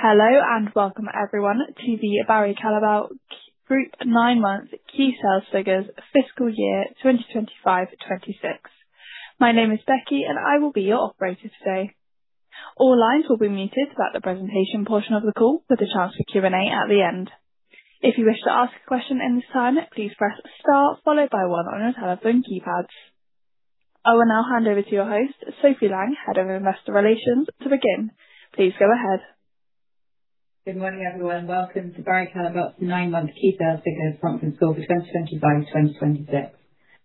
Hello and welcome everyone to the Barry Callebaut Group nine months key sales figures fiscal year 2025/2026. My name is Becky and I will be your operator today. All lines will be muted throughout the presentation portion of the call with a chance for Q&A at the end. If you wish to ask a question in this time, please press star followed by one on your telephone keypad. I will now hand over to your host, Sophie Lang, Head of Investor Relations. To begin, please go ahead. Good morning, everyone. Welcome to Barry Callebaut nine-month key sales figures conference call for 2025/2026.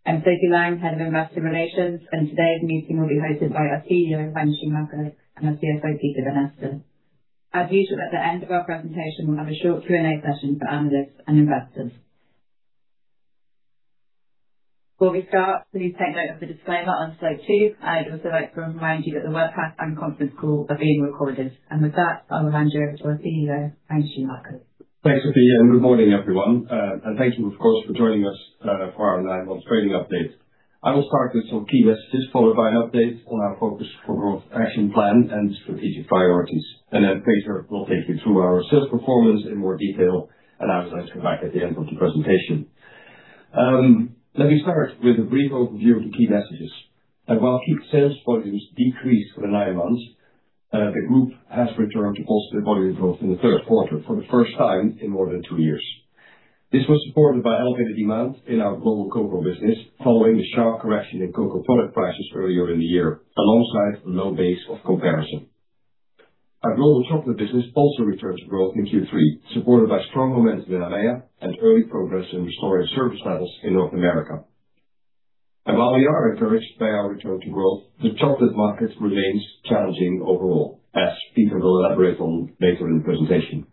I'm Sophie Lang, Head of Investor Relations, and today's meeting will be hosted by our CEO, Hein Schumacher and our CFO, Peter Vanneste. As usual at the end of our presentation, we'll have a short Q&A session for analysts and investors. Before we start, please take note of the disclaimer on slide two. I'd also like to remind you that the webcast and conference call are being recorded. With that, I'll hand over to CEO, Hein Schumacher. Thanks, Sophie. Good morning everyone. Thank you of course for joining us for our nine-month trading update. I will start with some key messages followed by an update on our Focus for Growth Action Plan and strategic priorities. Then Peter will take you through our sales performance in more detail. I will also come back at the end of the presentation. Let me start with a brief overview of the key messages. While key sales volumes decreased for the nine months, the group has returned to positive volume growth in the third quarter for the first time in more than two years. This was supported by elevated demand in our global cocoa business following the sharp correction in cocoa product prices earlier in the year, alongside a low base of comparison. Our global chocolate business also returned to growth in Q3, supported by strong momentum in EMEA and early progress in restoring service levels in North America. While we are encouraged by our return to growth, the chocolate market remains challenging overall, as Peter will elaborate on later in the presentation.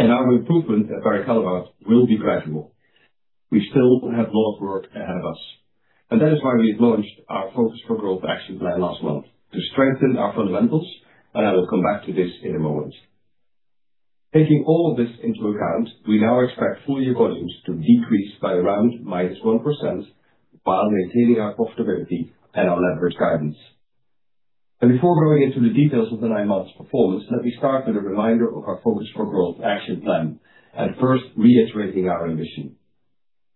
Our improvement at Barry Callebaut will be gradual. We still have a lot of work ahead of us, that is why we have launched our Focus for Growth Action Plan last month to strengthen our fundamentals. I will come back to this in a moment. Taking all of this into account, we now expect full-year volumes to decrease by around -1% while maintaining our profitability and our leverage guidance. Before going into the details of the nine months' performance, let me start with a reminder of our Focus for Growth Action Plan, first reiterating our ambition.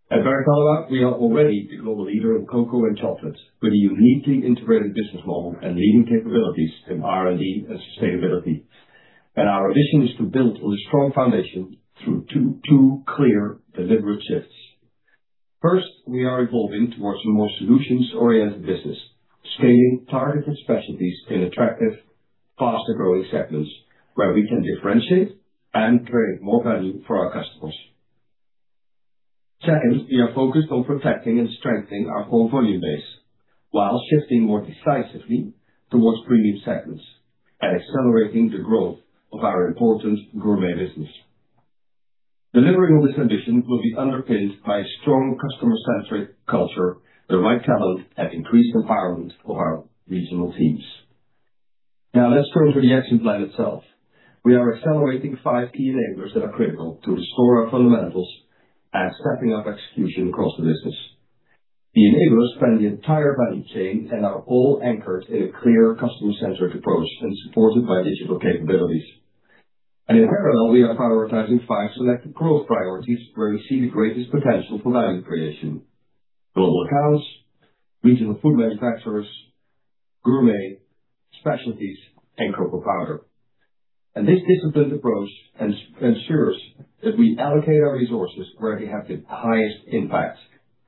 At Barry Callebaut, we are already the global leader in cocoa and chocolate with a uniquely integrated business model and leading capabilities in R&D and sustainability. Our ambition is to build on a strong foundation through two clear, deliberate shifts. First, we are evolving towards a more solutions-oriented business, scaling targeted specialties in attractive, faster-growing segments where we can differentiate and create more value for our customers. Second, we are focused on protecting and strengthening our core volume base while shifting more decisively towards premium segments and accelerating the growth of our important Gourmet business. Delivering on this ambition will be underpinned by a strong customer-centric culture, the right talent, and increased empowerment of our regional teams. Let's turn to the action plan itself. We are accelerating five key enablers that are critical to restore our fundamentals and stepping up execution across the business. The enablers span the entire value chain and are all anchored in a clear customer-centric approach and supported by digital capabilities. In parallel, we are prioritizing five selected growth priorities where we see the greatest potential for value creation. Global Accounts, Regional Food Manufacturers, Gourmet, Specialties, and Cocoa Powder. This disciplined approach ensures that we allocate our resources where they have the highest impact,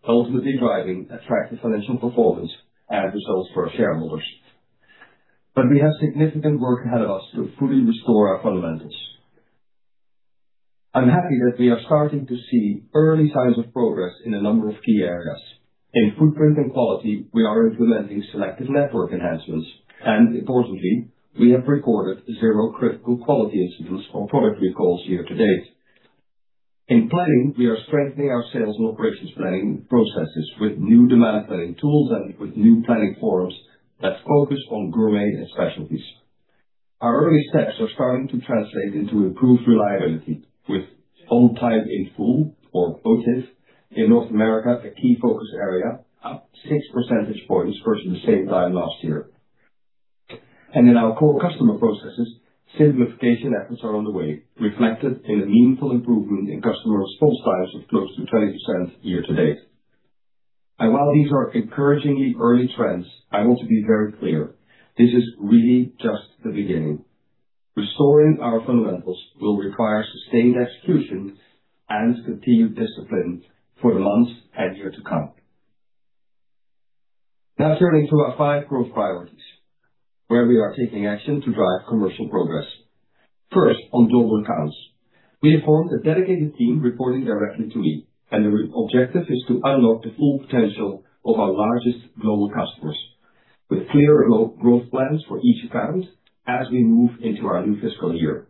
ultimately driving attractive financial performance and results for our shareholders. We have significant work ahead of us to fully restore our fundamentals. I'm happy that we are starting to see early signs of progress in a number of key areas. In footprint and quality, we are implementing selective network enhancements, importantly, we have recorded zero critical quality incidents or product recalls year to date. In planning, we are strengthening our sales and operations planning processes with new demand planning tools and with new planning forums that focus on Gourmet and specialties. Our early steps are starting to translate into improved reliability with on time in full or OTIF in North America, a key focus area, up 6 percentage points versus the same time last year. In our core customer processes, simplification efforts are underway, reflected in a meaningful improvement in customers' full sizes of close to 20% year to date. While these are encouraging early trends, I want to be very clear. This is really just the beginning. Restoring our fundamentals will require sustained execution and continued discipline for the months and year to come. Turning to our five growth priorities, where we are taking action to drive commercial progress. First, on global accounts. We have formed a dedicated team reporting directly to me, the objective is to unlock the full potential of our largest global customers with clear growth plans for each account as we move into our new fiscal year.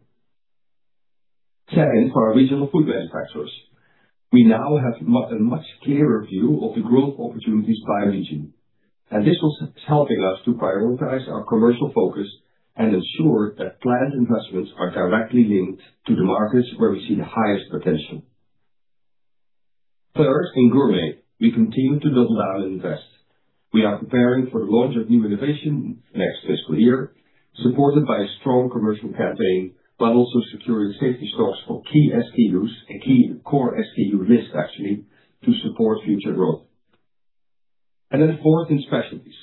Second, for our regional food manufacturers. We now have a much clearer view of the growth opportunities by region, this is helping us to prioritize our commercial focus and ensure that planned investments are directly linked to the markets where we see the highest potential. Third, in Gourmet, we continue to double down and invest. We are preparing for the launch of new innovation next fiscal year, supported by a strong commercial campaign, but also securing safety stocks for key SKUs, a key core SKU list actually, to support future growth. Fourth, in specialties.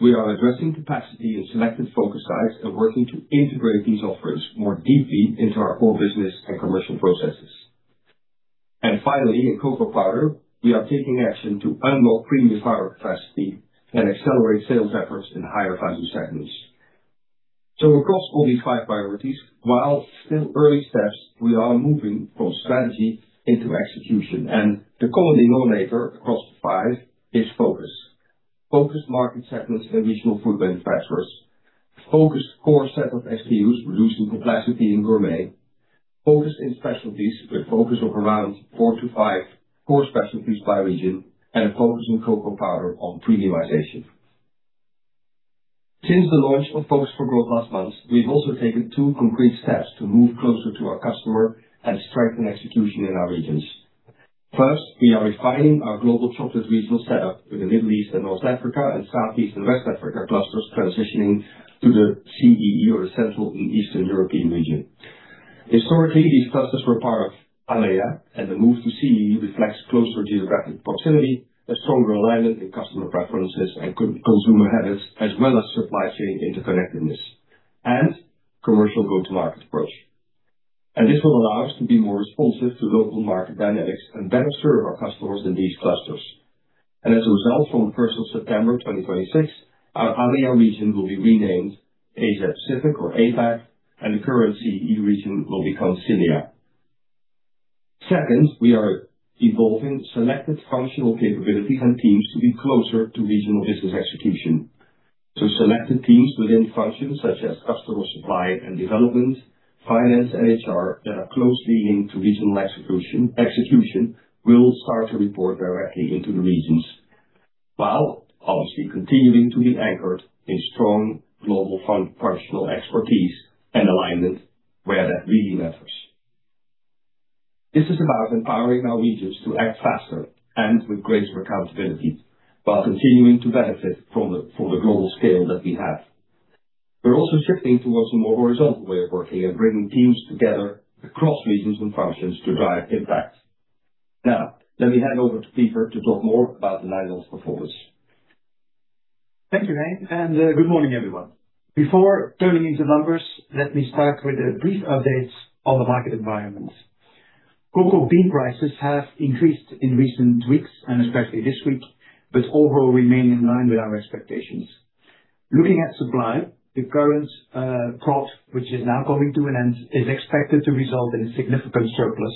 We are addressing capacity in selected focus sites and working to integrate these offerings more deeply into our core business and commercial processes. Finally, in cocoa powder, we are taking action to unlock premium powder capacity and accelerate sales efforts in higher value segments. Across all these five priorities, while still early steps, we are moving from strategy into execution, and the common denominator across the five is focus. Focused market segments and regional food manufacturers. Focused core set of SKUs, reducing complexity in gourmet. Focus in specialties with focus of around four to five core specialties by region. A focus on cocoa powder on premiumization. Since the launch of Focus for Growth last month, we've also taken two concrete steps to move closer to our customer and strengthen execution in our regions. First, we are refining our global chocolate regional setup with the Middle East and North Africa and Southeast and West Africa clusters transitioning to the CEE or the Central and Eastern European region. Historically, these clusters were part of AMEA, and the move to CEE reflects closer geographic proximity, a stronger alignment in customer preferences and consumer habits, as well as supply chain interconnectedness and commercial go-to-market approach. This will allow us to be more responsive to local market dynamics and better serve our customers in these clusters. As a result, from the first of September 2026, our AMEA region will be renamed Asia-Pacific or APAC, and the current CEE region will become CEMEA. Second, we are evolving selected functional capabilities and teams to be closer to regional business execution. Selected teams within functions such as customer supply and development, finance and HR that are closely linked to regional execution will start to report directly into the regions, while obviously continuing to be anchored in strong global functional expertise and alignment where that really matters. This is about empowering our regions to act faster and with greater accountability, while continuing to benefit from the global scale that we have. We're also shifting towards a more horizontal way of working and bringing teams together across regions and functions to drive impact. Now, let me hand over to Peter to talk more about the nine months performance. Thank you, Hein, and good morning, everyone. Before turning into numbers, let me start with a brief update on the market environment. Cocoa bean prices have increased in recent weeks and especially this week, but overall remain in line with our expectations. Looking at supply, the current crop, which is now coming to an end, is expected to result in a significant surplus,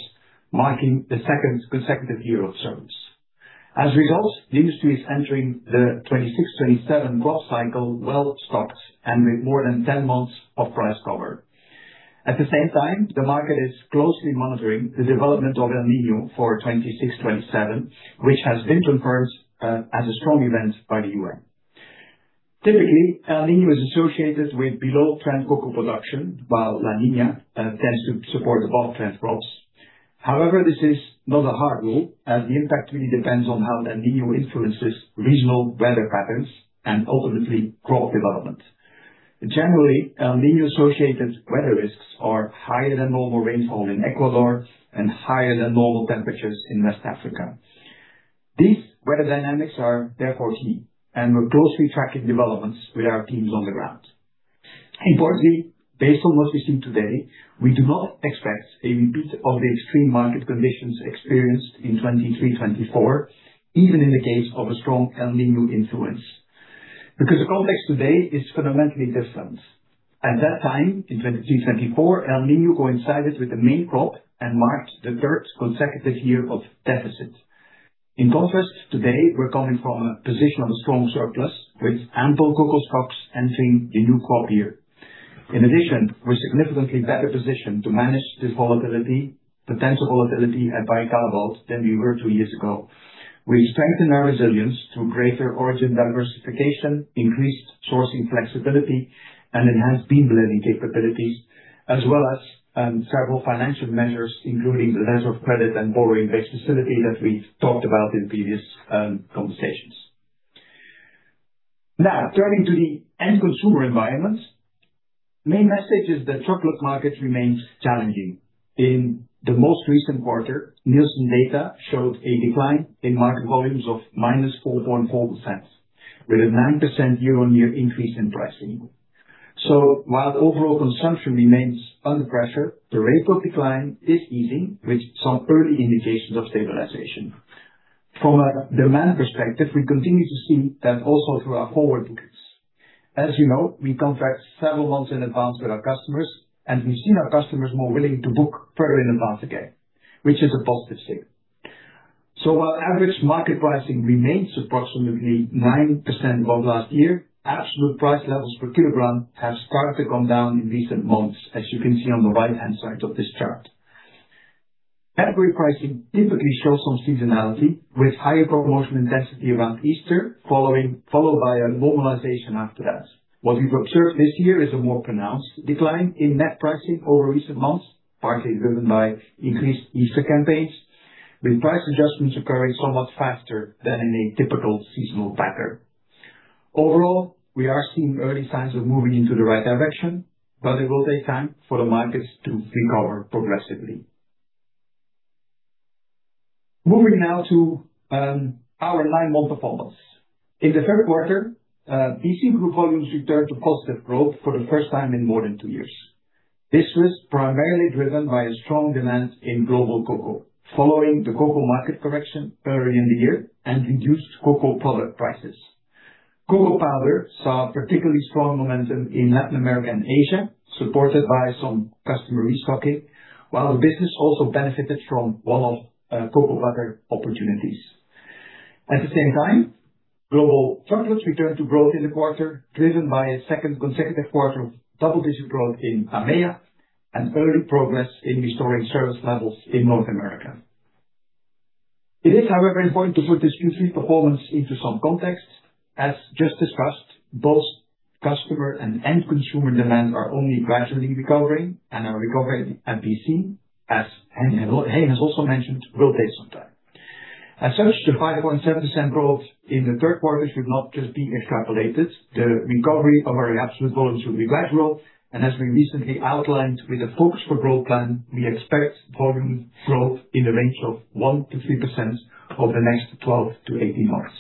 marking the second consecutive year of surplus. As a result, the industry is entering the 2026-2027 growth cycle well-stocked and with more than 10 months of price cover. At the same time, the market is closely monitoring the development of El Niño for 2026-2027, which has been confirmed as a strong event by the UN. Typically, El Niño is associated with below-trend cocoa production, while La Niña tends to support above-trend crops. This is not a hard rule, as the impact really depends on how El Niño influences regional weather patterns and ultimately crop development. Generally, El Niño-associated weather risks are higher than normal rainfall in Ecuador and higher than normal temperatures in West Africa. These weather dynamics are therefore key, and we're closely tracking developments with our teams on the ground. Importantly, based on what we see today, we do not expect a repeat of the extreme market conditions experienced in 2023, 2024, even in the case of a strong El Niño influence, because the context today is fundamentally different. At that time, in 2023-2024, El Niño coincided with the main crop and marked the third consecutive year of deficit. Today, we're coming from a position of a strong surplus with ample cocoa stocks entering the new crop year. We're significantly better positioned to manage this volatility, potential volatility at Barry Callebaut than we were two years ago. We strengthened our resilience through greater origin diversification, increased sourcing flexibility, and enhanced bean blending capabilities, as well as several financial measures, including the reserve credit and borrowing base facility that we've talked about in previous conversations. Turning to the end consumer environment. Main message is that chocolate market remains challenging. In the most recent quarter, Nielsen data showed a decline in market volumes of minus 4.4%, with a 9% year-on-year increase in pricing. While overall consumption remains under pressure, the rate of decline is easing with some early indications of stabilization. From a demand perspective, we continue to see that also through our forward bookings. As you know, we contract several months in advance with our customers, and we've seen our customers more willing to book further in advance again, which is a positive thing. While average market pricing remains approximately 9% above last year, absolute price levels per kilogram have started to come down in recent months, as you can see on the right-hand side of this chart. Category pricing typically shows some seasonality, with higher promotional intensity around Easter, followed by a normalization after that. What we've observed this year is a more pronounced decline in net pricing over recent months, partly driven by increased Easter campaigns, with price adjustments occurring somewhat faster than a typical seasonal pattern. We are seeing early signs of moving into the right direction, but it will take time for the markets to recover progressively. Moving now to our nine-month performance. The third quarter, BC group volumes returned to positive growth for the first time in more than two years. This was primarily driven by a strong demand in global cocoa, following the cocoa market correction earlier in the year and reduced cocoa product prices. Cocoa powder saw particularly strong momentum in Latin America and Asia, supported by some customer restocking, while the business also benefited from one-off cocoa butter opportunities. At the same time, global chocolates returned to growth in the quarter, driven by a second consecutive quarter of double-digit growth in EMEA and early progress in restoring service levels in North America. It is, however, important to put this Q3 performance into some context. As just discussed, both customer and end consumer demand are only gradually recovering and are recovering at BC, as Hein has also mentioned, will take some time. As such, the 5.7% growth in the third quarter should not just be extrapolated. The recovery of our absolute volumes will be gradual, as we recently outlined with the Focus for Growth plan, we expect volume growth in the range of 1%-3% over the next 12 months to 18 months.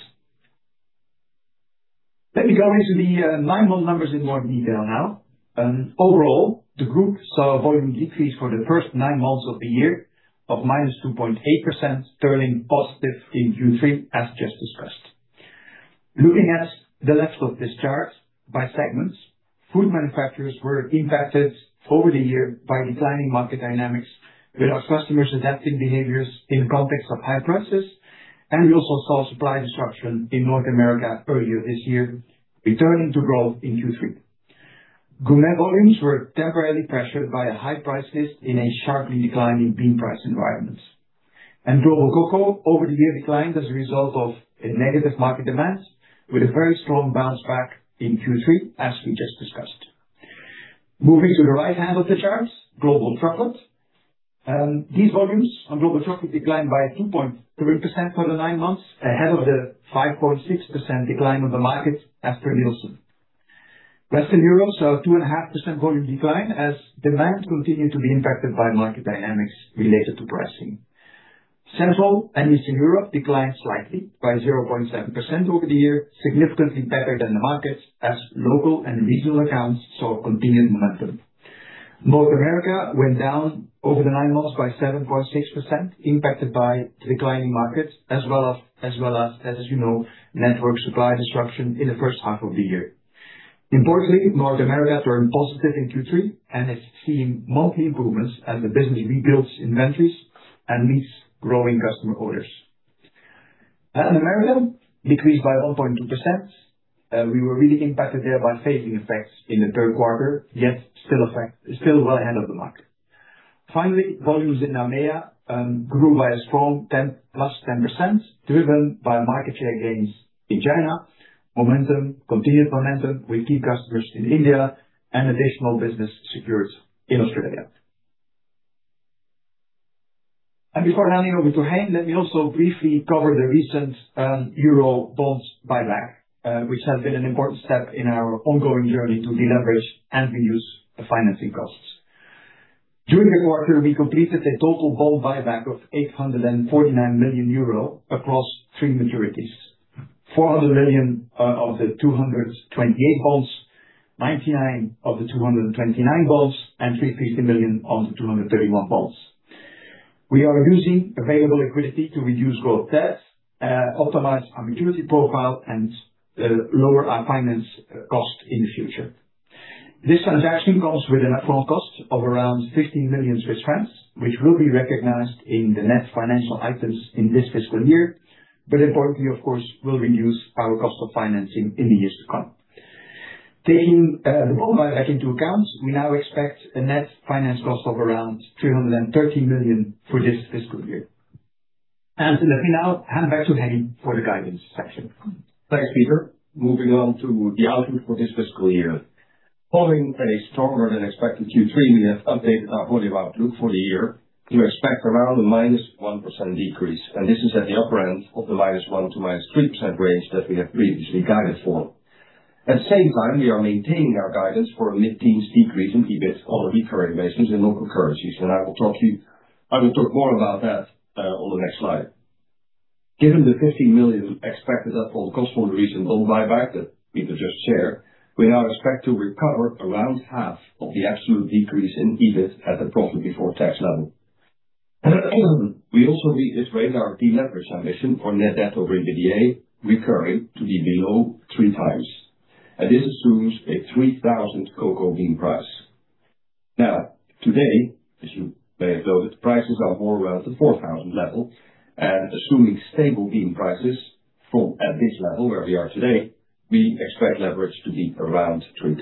Let me go into the nine-month numbers in more detail now. Overall, the group saw volume decrease for the first nine months of the year of minus 2.8%, turning positive in Q3 as just discussed. Looking at the left of this chart by segments, food manufacturers were impacted over the year by declining market dynamics, with our customers adapting behaviors in the context of high prices, we also saw supply disruption in North America earlier this year, returning to growth in Q3. Gourmet volumes were temporarily pressured by high prices in a sharply declining bean price environment. Global cocoa over the year declined as a result of a negative market demand with a very strong bounce back in Q3 as we just discussed. Moving to the right hand of the chart, global chocolate. These volumes on global chocolate declined by 2.3% for the nine months ahead of the 5.6% decline of the market as per Nielsen. Western Europe saw 2.5% volume decline as demand continued to be impacted by market dynamics related to pricing. Central and Eastern Europe declined slightly by 0.7% over the year, significantly better than the market as local and regional accounts saw continued momentum. North America went down over the nine months by 7.6%, impacted by declining markets as well as, you know, network supply disruption in the first half of the year. Importantly, North America turned positive in Q3 and is seeing monthly improvements as the business rebuilds inventories and meets growing customer orders. Latin America decreased by 1.2%. We were really impacted there by phasing effects in the third quarter, yet still well ahead of the market. Finally, volumes in EMEA grew by a strong +10%, driven by market share gains in China. Continued momentum with key customers in India and additional business secured in Australia. Before handing over to Hein, let me also briefly cover the recent EUR bonds buyback, which has been an important step in our ongoing journey to deleverage and reduce the financing costs. During the quarter, we completed a total bond buyback of 849 million euro across three maturities. 400 million of the 2028 bonds, 99 of the 2029 bonds, and 350 million of the 2031 bonds. We are using available liquidity to reduce core debt, optimize our maturity profile, lower our finance cost in the future. This transaction comes with an upfront cost of around 16 million Swiss francs, which will be recognized in the net financial items in this fiscal year. Importantly, of course, will reduce our cost of financing in the years to come. Taking the bond buyback into account, we now expect a net finance cost of around 313 million for this fiscal year. Let me now hand back to Hein for the guidance section. Thanks, Peter. Moving on to the outlook for this fiscal year. Following a stronger than expected Q3, we have updated our volume outlook for the year. We expect around a -1% decrease, this is at the upper end of the -1% to -3% range that we have previously guided for. At the same time, we are maintaining our guidance for a mid-teens decrease in EBIT on a recurring basis in local currencies, I will talk more about that on the next slide. Given the 15 million expected upfront cost from the recent bond buyback that Peter just shared, we now expect to recover around half of the absolute decrease in EBIT at the PBT level. We also reiterated our deleverage ambition on net debt over EBITDA recurring to be below 3x. This assumes a 3,000 cocoa bean price. Today, as you may have noted, prices are more around the 4,000 level, assuming stable bean prices from at this level where we are today, we expect leverage to be around 3x.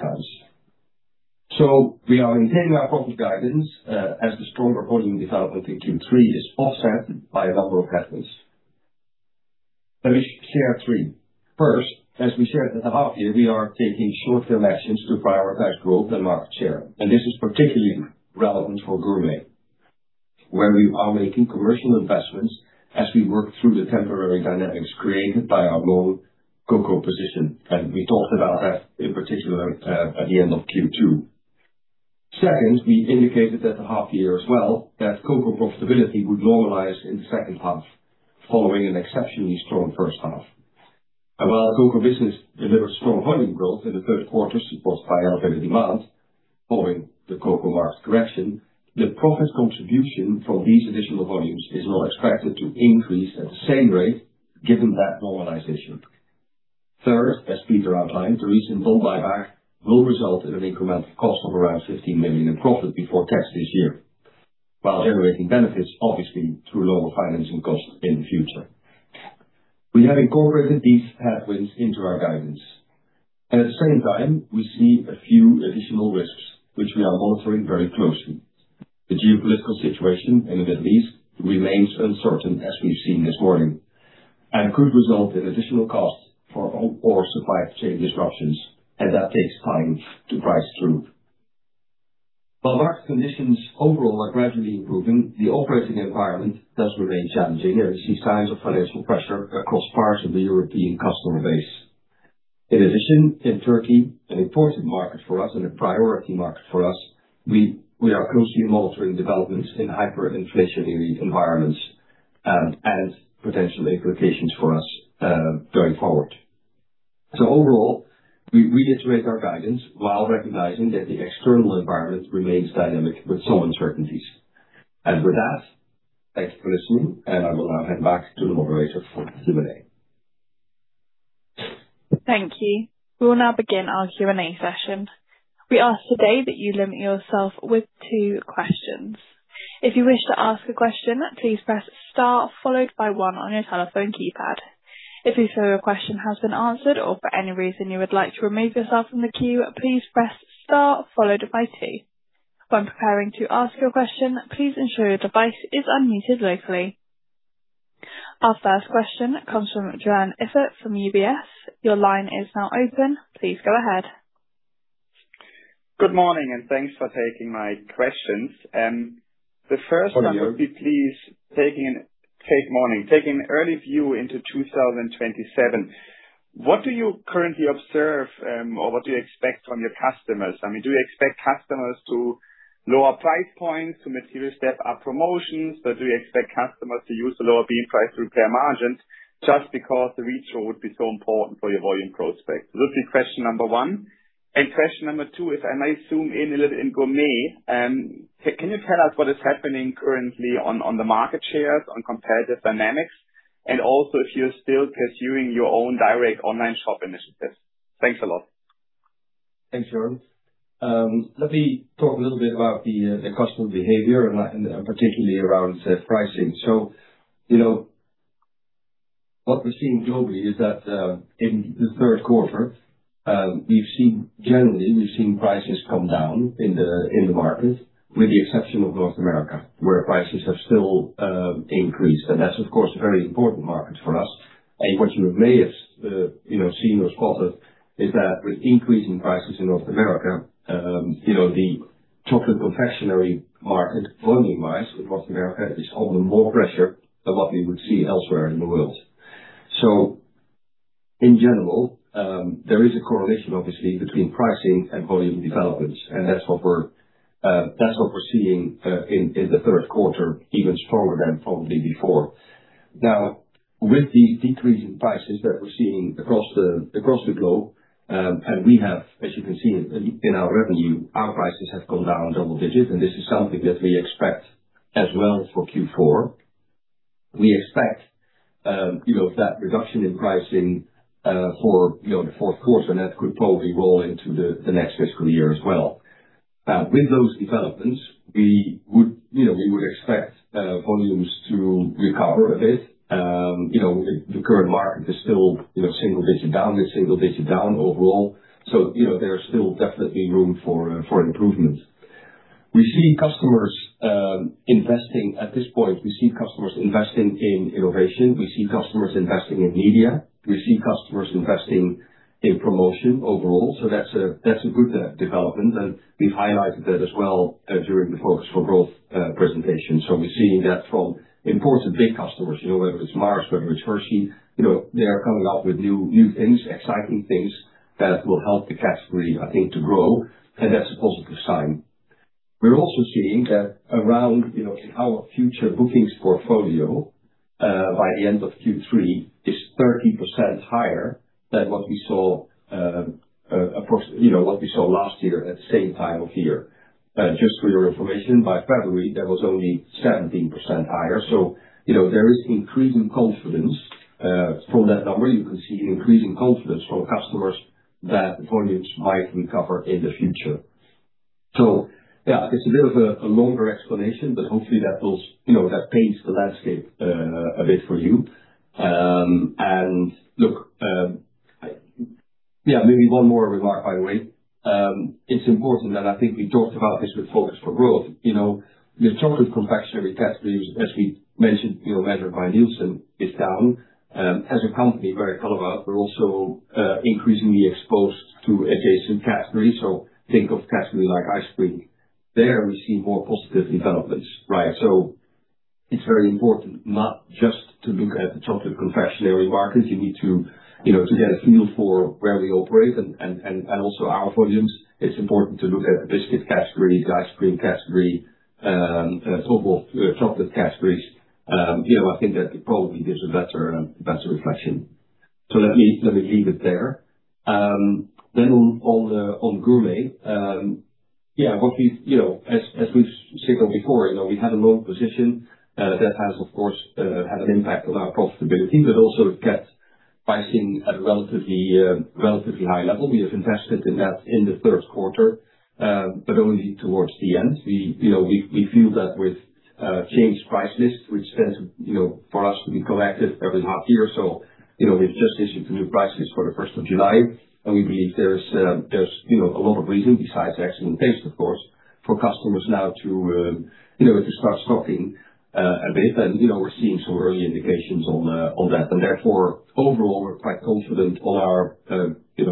We are maintaining our profit guidance, as the stronger volume development in Q3 is offset by a number of headwinds. Let me share three. First, as we shared at the half year, we are taking short-term actions to prioritize growth and market share, this is particularly relevant for Gourmet. Where we are making commercial investments as we work through the temporary dynamics created by our own cocoa position. We talked about that in particular at the end of Q2. Second, we indicated at the half year as well, that cocoa profitability would normalize in the second half, following an exceptionally strong first half. While cocoa business delivered strong volume growth in the third quarter, supported by elevated demand, following the cocoa market correction, the profit contribution from these additional volumes is not expected to increase at the same rate given that normalization. Third, as Peter outlined, the recent bond buyback will result in an incremental cost of around 15 million in PBT this year, while generating benefits, obviously, through lower financing costs in the future. We have incorporated these headwinds into our guidance. At the same time, we see a few additional risks, which we are monitoring very closely. The geopolitical situation in the Middle East remains uncertain, as we've seen this morning, could result in additional costs for oil or supply chain disruptions, that takes time to price through. While market conditions overall are gradually improving, the operating environment does remain challenging, we see signs of financial pressure across parts of the European customer base. In addition, in Turkey, an important market for us and a priority market for us, we are closely monitoring developments in hyperinflationary environments, potential implications for us going forward. Overall, we reiterate our guidance while recognizing that the external environment remains dynamic with some uncertainties. With that, thanks for listening, I will now hand back to the moderator for the Q&A. Thank you. We will now begin our Q&A session. We ask today that you limit yourself with two questions. If you wish to ask a question, please press star followed by one on your telephone keypad. If you feel your question has been answered or for any reason you would like to remove yourself from the queue, please press star followed by two. When preparing to ask your question, please ensure your device is unmuted locally. Our first question comes from Joern Iffert from UBS. Your line is now open. Please go ahead. Good morning, thanks for taking my questions. Good morning. The first one would be, please, taking an early view into 2027, what do you currently observe, or what do you expect from your customers? Do you expect customers to lower price points to materialize step up promotions, or do you expect customers to use the lower bean price to repair margins just because the retail would be so important for your volume prospects? This would be question number one. Question number two is, I might zoom in a little in gourmet. Can you tell us what is happening currently on the market shares on competitive dynamics? Also, if you're still pursuing your own direct online shop initiatives. Thanks a lot. Thanks, Joern. Let me talk a little bit about the customer behavior, particularly around pricing. What we're seeing globally is that, in the third quarter, generally, we've seen prices come down in the market, with the exception of North America, where prices have still increased. That's, of course, a very important market for us. What you may have seen or spotted is that with increasing prices in North America, the chocolate confectionery market, volume-wise, in North America, is under more pressure than what we would see elsewhere in the world. In general, there is a correlation, obviously, between pricing and volume developments, and that's what we're seeing in the third quarter, even stronger than probably before. With these decreasing prices that we're seeing across the globe, we have, as you can see in our revenue, our prices have gone down double digits, this is something that we expect as well for Q4. We expect that reduction in pricing for the fourth quarter, that could probably roll into the next fiscal year as well. With those developments, we would expect volumes to recover a bit. The current market is still single-digit down overall. There is still definitely room for improvement. At this point, we see customers investing in innovation. We see customers investing in media. We see customers investing in promotion overall. That's a good development, we've highlighted that as well during the Focus for Growth presentation. We're seeing that from important big customers, whether it's Mars, whether it's Hershey. They are coming out with new things, exciting things that will help the category, I think, to grow, that's a positive sign. We're also seeing that around our future bookings portfolio, by the end of Q3, is 30% higher than what we saw last year at the same time of year. Just for your information, by February, that was only 17% higher. There is increasing confidence. From that number, you can see increasing confidence from customers that volumes might recover in the future. Yeah, it's a bit of a longer explanation, hopefully that paints the landscape a bit for you. Look, yeah, maybe one more remark, by the way. It's important that I think we talked about this with Focus for Growth. The total confectionery category, as we mentioned, measured by Nielsen, is down. As a company, Barry Callebaut, we're also increasingly exposed to adjacent categories. Think of categories like ice cream. There, we're seeing more positive developments, right? It's very important not just to look at the chocolate confectionery markets. You need to get a feel for where we operate, also our volumes. It's important to look at the biscuit category, the ice cream category, total chocolate categories. I think that probably gives a better reflection. Let me leave it there. On gourmet. As we've said before, we had a long position. That has, of course, had an impact on our profitability, also kept pricing at a relatively high level. We have invested in that in the first quarter, only towards the end. We feel that with changed price lists, which tend for us to be collected every half year, we've just issued the new prices for the first of July, we believe there's a lot of reason besides excellent taste, of course, for customers now to start stocking a bit. We're seeing some early indications on that. Therefore, overall, we're quite confident on our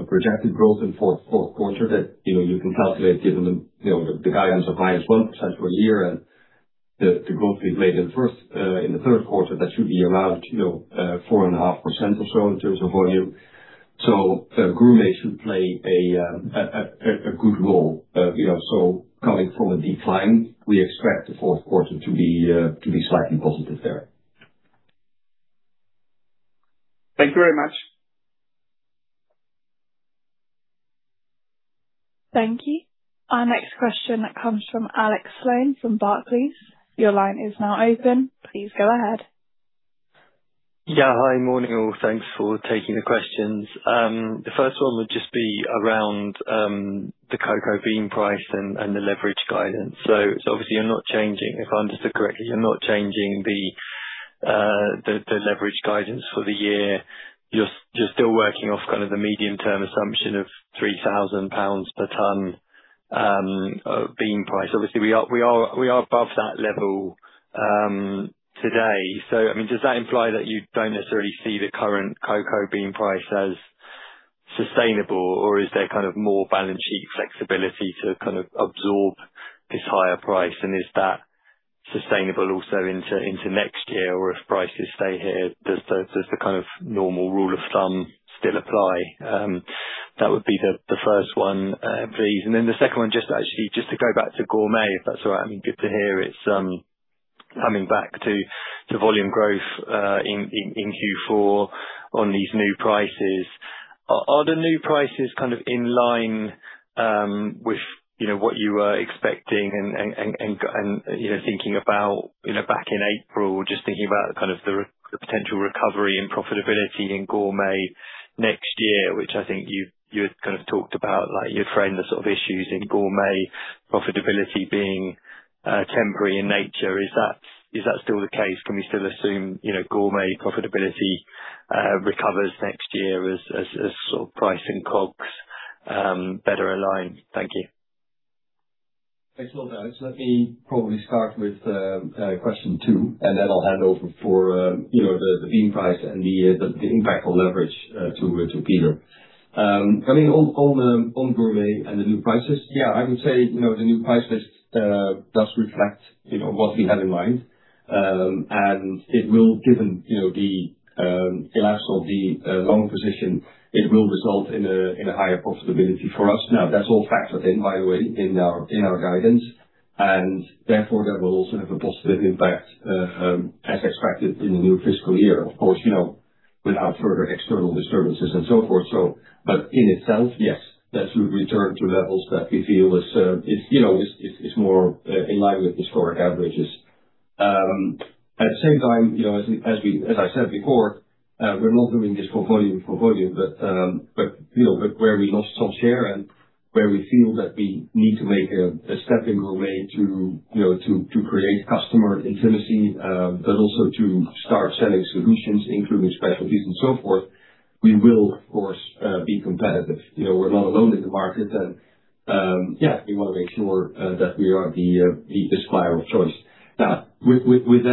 projected growth in fourth quarter that you can calculate given the guidance of high as 1% for the year and the growth we've made in the third quarter, that should be around 4.5% or so in terms of volume. Gourmet should play a good role. Coming from a decline, we expect the fourth quarter to be slightly positive there. Thank you very much. Thank you. Our next question comes from Alex Sloane from Barclays. Your line is now open. Please go ahead. Yeah. Hi. Morning, all. Thanks for taking the questions. The first one would just be around the cocoa bean price and the leverage guidance. Obviously, if I understood correctly, you're not changing the leverage guidance for the year. You're still working off kind of the medium-term assumption of 3,000 pounds per ton bean price. Obviously, we are above that level today. Does that imply that you don't necessarily see the current cocoa bean price as sustainable, or is there kind of more balance sheet flexibility to kind of absorb this higher price? Is that sustainable also into next year? If prices stay here, does the kind of normal rule of thumb still apply? That would be the first one, please. Then the second one, just actually to go back to gourmet, if that's all right. Good to hear it's coming back to volume growth in Q4 on these new prices. Are the new prices kind of in line with what you were expecting and thinking about back in April, just thinking about kind of the potential recovery and profitability in Gourmet next year, which I think you had kind of talked about, like you framed the sort of issues in Gourmet profitability being temporary in nature. Is that still the case? Can we still assume Gourmet profitability recovers next year as sort of price and COGS better align? Thank you. Thanks a lot, Alex. Let me probably start with question two, and then I'll hand over for the bean price and the impact on leverage to Peter. Coming on Gourmet and the new prices. Yeah, I would say the new price list does reflect what we had in mind. It will, given the length of the long position, it will result in a higher profitability for us. That's all factored in, by the way, in our guidance, and therefore that will also have a positive impact as expected in the new fiscal year, of course, without further external disturbances and so forth. In itself, yes, that should return to levels that we feel is more in line with historic averages. At the same time, as I said before, we're not doing this for volume. Where we lost some share and where we feel that we need to make a step in Gourmet to create customer intimacy, but also to start selling solutions, including specialties and so forth, we will, of course, be competitive. We're not alone in the market. Yeah, we want to make sure that we are the supplier of choice. With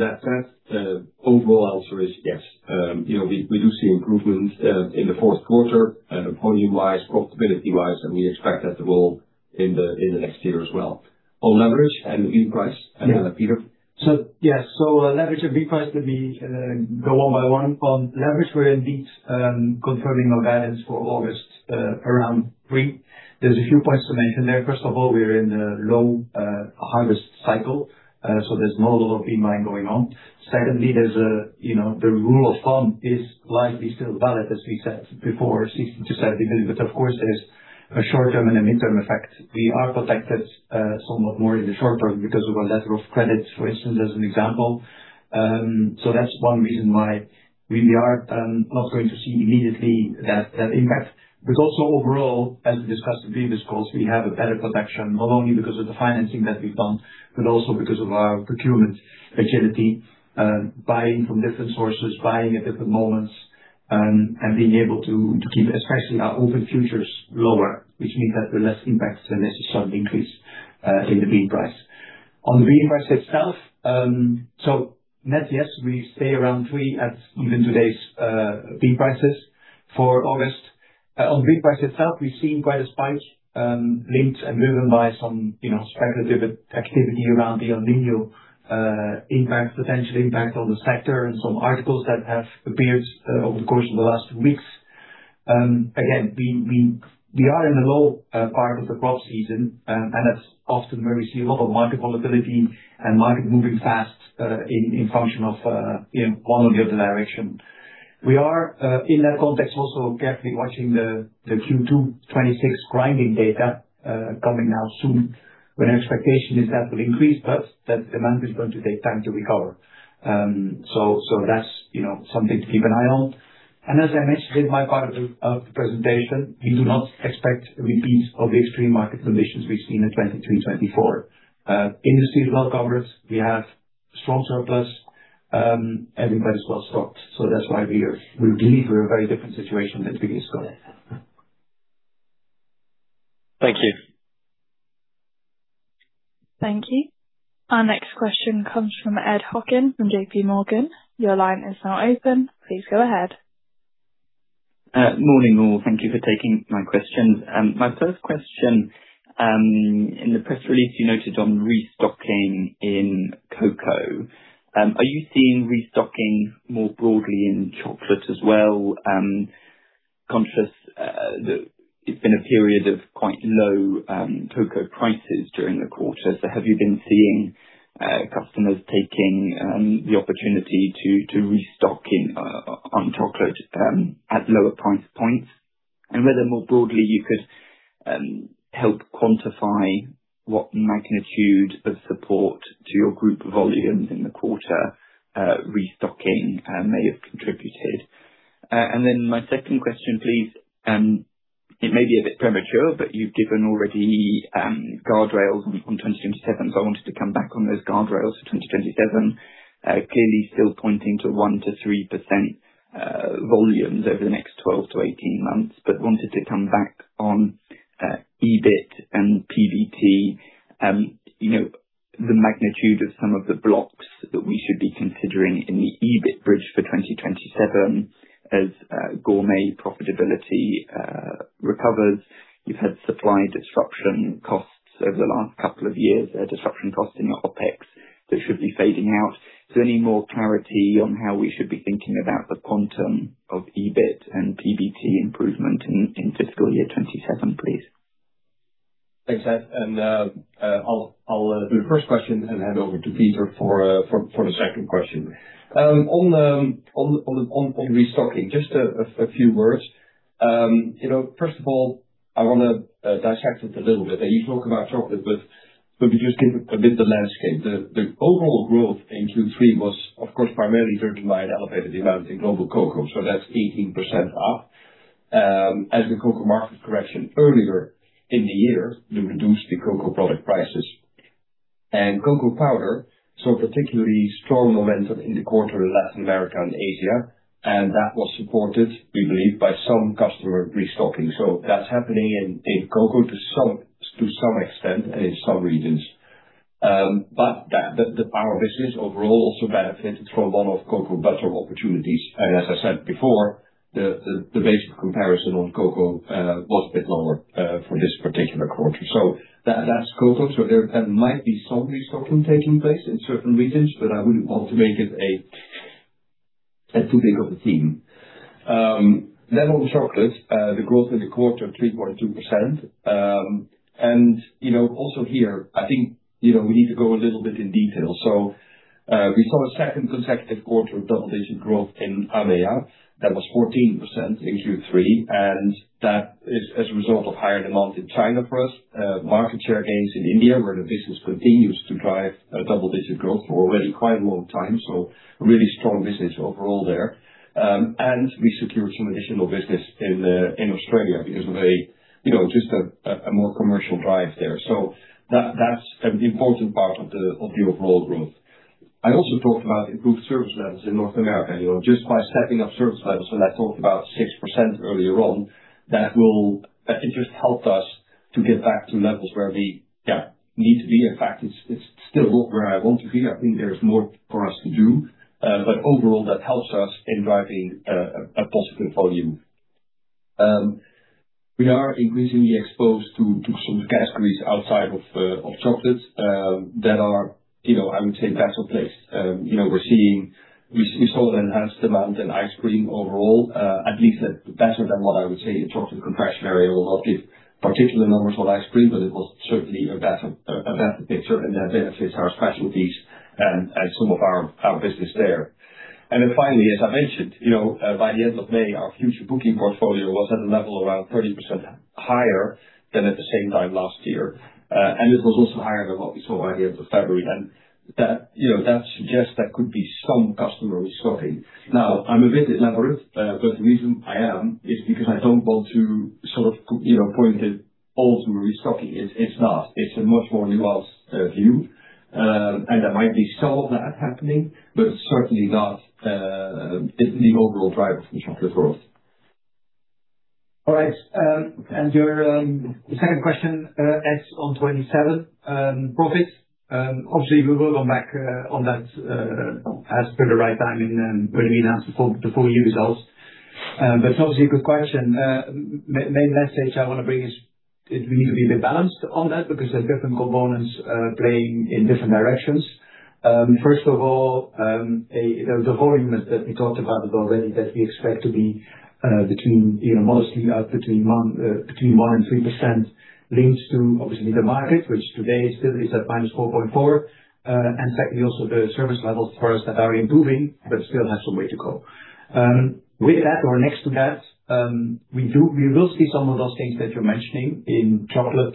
that said, the overall answer is yes. We do see improvement in the fourth quarter, volume-wise, profitability-wise, and we expect that to roll in the next year as well. On leverage and bean price, I hand it over to Peter. Yeah. Leverage and bean price, let me go one by one. On leverage, we're indeed confirming our guidance for August around three. There's a few points to mention there. First of all, we're in a low harvest cycle, so there's no lot of bean buying going on. Secondly, the rule of thumb is likely still valid, as we said before, 60-70. Of course, there's a short-term and a midterm effect. We are protected somewhat more in the short term because of our letter of credit, for instance, as an example. That's one reason why we are not going to see immediately that impact. Overall, as we discussed in previous calls, we have a better protection, not only because of the financing that we've done, but also because of our procurement agility, buying from different sources, buying at different moments, and being able to keep especially our open futures lower, which means that we're less impacted unless there's some increase in the bean price. On the bean price itself. Net, yes, we stay around 3 at even today's bean prices for August. On grind price itself, we've seen quite a spike linked and driven by some speculative activity around the El Niño potential impact on the sector and some articles that have appeared over the course of the last weeks. We are in the low part of the crop season, and that's often where we see a lot of market volatility and market moving fast in function of one or the other direction. We are, in that context, also carefully watching the Q2 2026 grinding data coming out soon, where expectation is that will increase, but that demand is going to take time to recover. That's something to keep an eye on. As I mentioned in my part of the presentation, we do not expect a repeat of the extreme market conditions we've seen in 2023/2024. Industry global covers. We have strong surplus. Everybody's well-stocked. That's why we believe we're in a very different situation than previous Gourmet. Thank you. Thank you. Our next question comes from Edward Hockin from JPMorgan. Your line is now open. Please go ahead. Morning, all. Thank you for taking my questions. My first question, in the press release, you noted on restocking in cocoa. Are you seeing restocking more broadly in chocolate as well? Conscious that it's been a period of quite low cocoa prices during the quarter. Have you been seeing customers taking the opportunity to restock on chocolate at lower price points? Whether more broadly you could help quantify what magnitude of support to your group volumes in the quarter restocking may have contributed. My second question, please. It may be a bit premature, you've given already guardrails on 2027. I wanted to come back on those guardrails for 2027. Clearly still pointing to 1%-3% volumes over the next 12-18 months, wanted to come back on EBIT and PBT. The magnitude of some of the blocks that we should be considering in the EBIT bridge for 2027 as gourmet profitability recovers. You've had supply disruption costs over the last couple of years, disruption costs in your OpEx that should be fading out. Is there any more clarity on how we should be thinking about the quantum of EBIT and PBT improvement in fiscal year 2027, please? Thanks, Ed. I'll do the first question and hand over to Peter for the second question. On restocking, just a few words. First of all, I want to dissect it a little bit. You talk about chocolate, we just give a bit the landscape. The overall growth in Q3 was, of course, primarily driven by an elevated demand in global cocoa, that's 18% up as the cocoa market correction earlier in the year, we reduced the cocoa product prices. Cocoa powder saw particularly strong momentum in the quarter in Latin America and Asia, that was supported, we believe, by some customer restocking. That's happening in cocoa to some extent and in some regions. The power business overall also benefited from one-off cocoa butter opportunities. As I said before, the base of comparison on cocoa was a bit lower for this particular quarter. That's cocoa. There might be some restocking taking place in certain regions, but I wouldn't want to make it too big of a theme. On chocolate, the growth in the quarter, 3.2%. Also here, I think we need to go a little bit in detail. We saw a second consecutive quarter of double-digit growth in EMEA. That was 14% in Q3, and that is as a result of higher demand in China for us, market share gains in India, where the business continues to drive double-digit growth for already quite a long time. Really strong business overall there. We secured some additional business in Australia because of just a more commercial drive there. That's an important part of the overall growth. I also talked about improved service levels in North America. Just by stepping up service levels, and I talked about 6% earlier on, that interest helped us to get back to levels where we need to be. In fact, it's still not where I want to be. I think there's more for us to do. Overall, that helps us in driving a positive volume. We are increasingly exposed to some categories outside of chocolate that are, I would say, better placed. We saw an enhanced demand in ice cream overall, at least better than what I would say in chocolate compression area. Will not give particular numbers on ice cream, but it was certainly a better picture and that benefits our specialties and some of our business there. Then finally, as I mentioned, by the end of May, our future booking portfolio was at a level around 30% higher than at the same time last year. It was also higher than what we saw by the end of February. That suggests there could be some customer restocking. I'm a bit elaborate, the reason I am is because I don't want to point it all to restocking. It's not. It's a much more nuanced view. There might be some of that happening, but certainly not the overall driver of the chocolate growth. All right. Your second question, Ed, on 2027 profit. Obviously, we will come back on that as per the right timing when we announce the full year results. That's obviously a good question. Main message I want to bring is, we need to be a bit balanced on that because there are different components playing in different directions. First of all, the volume that we talked about already that we expect to be modestly between 1% and 3% links to, obviously, the market, which today still is at -4.4%. Secondly, also the service levels for us are improving, but still have some way to go. With that or next to that, we will see some of those things that you're mentioning in chocolate,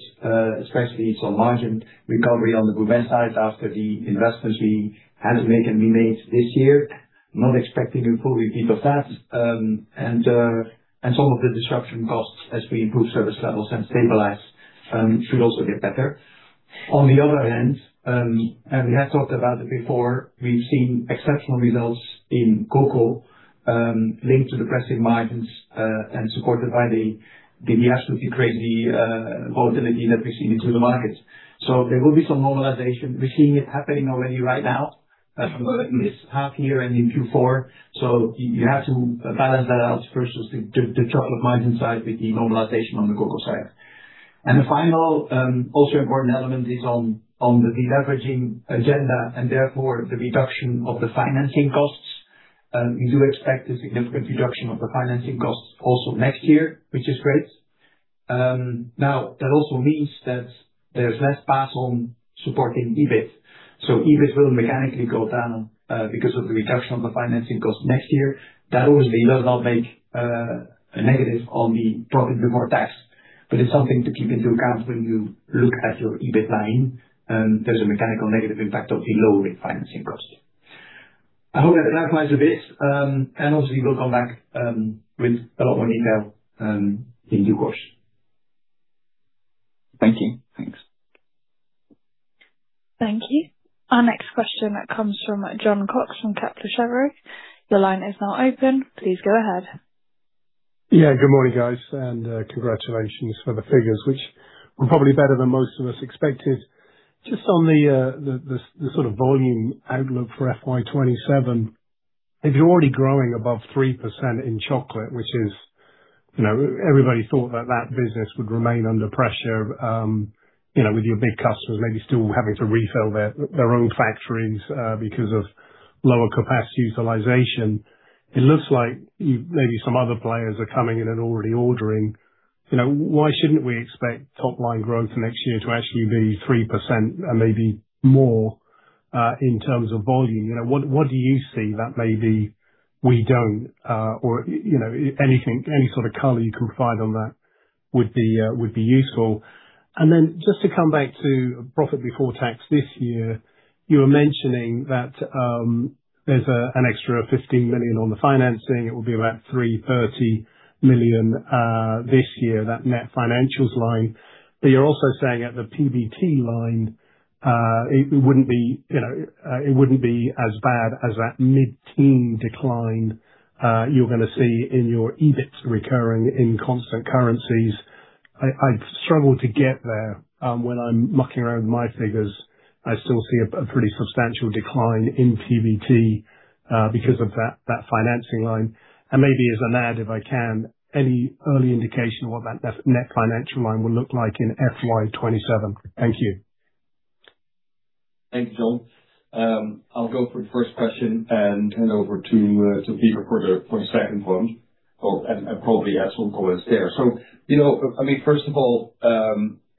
especially some margin recovery on the group end side after the investments we had to make and we made this year. Not expecting a full repeat of that. Some of the disruption costs as we improve service levels and stabilize should also get better. On the other hand, we have talked about it before, we've seen exceptional results in cocoa, linked to depressing margins and supported by the absolutely crazy volatility that we've seen into the markets. There will be some normalization. We're seeing it happening already right now, in this half year and in Q4. You have to balance that out versus the chocolate margin side with the normalization on the cocoa side. The final, also important element is on the deleveraging agenda and therefore the reduction of the financing costs. We do expect a significant reduction of the financing costs also next year, which is great. That also means that there's less pass on supporting EBIT. EBIT will mechanically go down because of the reduction of the financing cost next year. That obviously does not make a negative on the profit before tax, but it's something to keep into account when you look at your EBIT line. There's a mechanical negative impact of the lower refinancing cost. I hope that clarifies a bit, and obviously we'll come back with a lot more detail in due course. Thank you. Thanks. Thank you. Our next question comes from Jon Cox from Kepler Cheuvreux. Your line is now open. Please go ahead. Good morning, guys, and congratulations for the figures, which everybody thought that that business would remain under pressure, with your big customers maybe still having to refill their own factories because of lower capacity utilization. It looks like maybe some other players are coming in and already ordering. Why shouldn't we expect top line growth next year to actually be 3% and maybe more, in terms of volume? What do you see that maybe we don't? Any sort of color you can provide on that would be useful. Then just to come back to Profit Before Tax this year. You were mentioning that there's an extra 15 million on the financing. It will be about 330 million this year, that net financials line. You're also saying at the PBT line, it wouldn't be as bad as that mid-teen decline you're going to see in your EBIT recurring in constant currencies. I struggle to get there. When I'm mucking around with my figures, I still see a pretty substantial decline in PBT because of that financing line. Maybe as an add, if I can, any early indication what that net financial line will look like in FY 2027? Thank you. Thank you, Jon. I'll go for the first question and hand over to Peter for the second one. And probably have some comments there. First of all,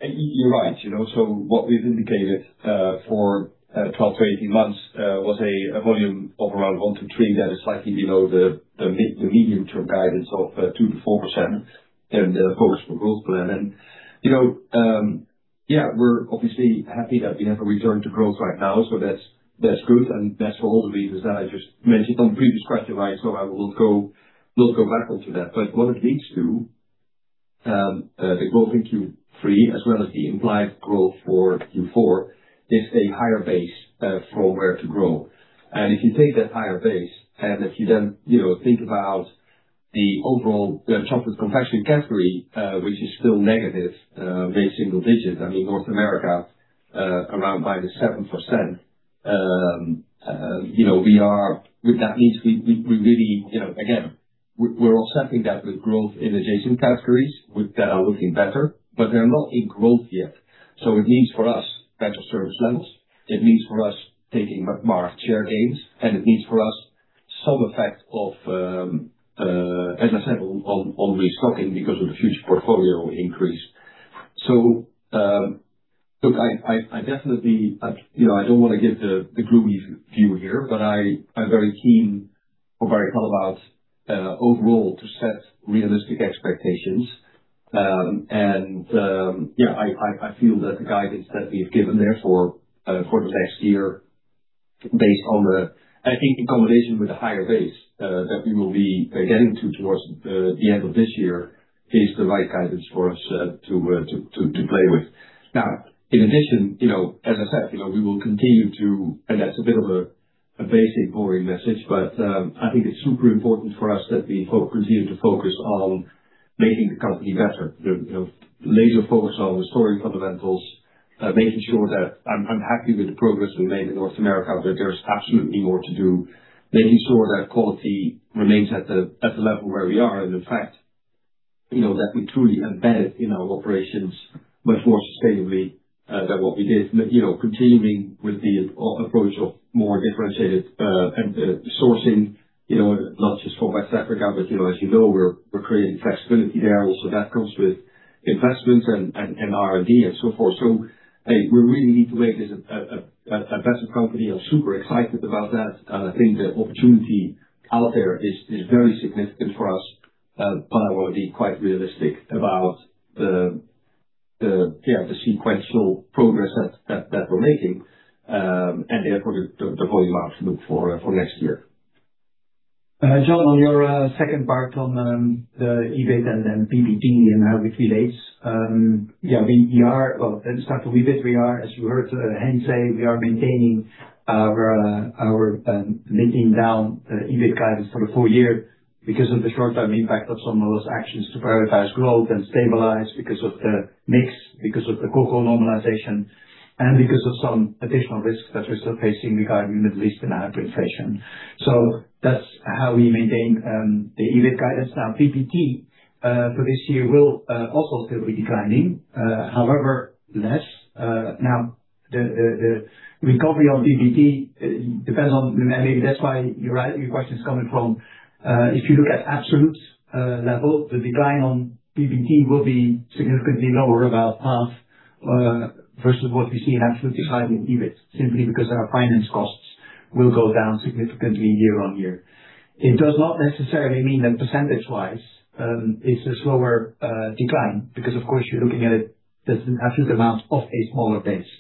you're right. What we've indicated for 12 months-18 months was a volume of around one to three that is slightly below the medium-term guidance of 2%-4% in the Focus for Growth plan. Yeah, we're obviously happy that we have a return to growth right now. That's good and that's for all the reasons that I just mentioned on the previous question. I will not go back onto that. What it leads to, the growth in Q3 as well as the implied growth for Q4, is a higher base from where to grow. If you take that higher base and if you then think about the overall chocolate confection category, which is still negative, mid-single digits. North America around -7%. That means we really, again, we're offsetting that with growth in adjacent categories that are looking better, but they're not in growth yet. It means for us better service levels. It means for us taking back market share gains, and it means for us some effect of, as I said, on restocking because of the future portfolio increase. Look, I definitely don't want to give the rosy view here, but I'm very keen or very clear about overall to set realistic expectations. I feel that the guidance that we've given there for the next year, I think in combination with the higher base that we will be getting to towards the end of this year, is the right guidance for us to play with. In addition, as I said, we will continue to and that's a bit of a basic boring message, but I think it's super important for us that we continue to focus on making the company better. Laser focus on restoring fundamentals Making sure that I'm happy with the progress we've made in North America, but there's absolutely more to do. Making sure that quality remains at the level where we are, and in fact, that we truly embed it in our operations much more sustainably than what we did. Continuing with the approach of more differentiated and sourcing, not just for West Africa, but as you know, we're creating flexibility there also that comes with investments and R&D and so forth. We really need to make this a better company. I'm super excited about that, and I think the opportunity out there is very significant for us. I want to be quite realistic about the sequential progress that we're making, and therefore the volume outlook for next year. Jon, on your second part on the EBIT and then PBT and how it relates. Yeah, well, let's start with EBIT. We are, as you heard Hein say, we are maintaining our linking down EBIT guidance for the full year because of the short-term impact of some of those actions to prioritize growth and stabilize because of the mix, because of the cocoa normalization, and because of some additional risks that we're still facing regarding Middle East and hyperinflation. That's how we maintain the EBIT guidance. PBT for this year will also still be declining, however, less. The recovery on PBT depends on maybe that's why your question is coming from. If you look at absolute level, the decline on PBT will be significantly lower, about half versus what you see in absolute decline in EBIT, simply because our finance costs will go down significantly year-on-year. It does not necessarily mean that percentage-wise it's a slower decline because, of course, you're looking at it as an absolute amount of a smaller base.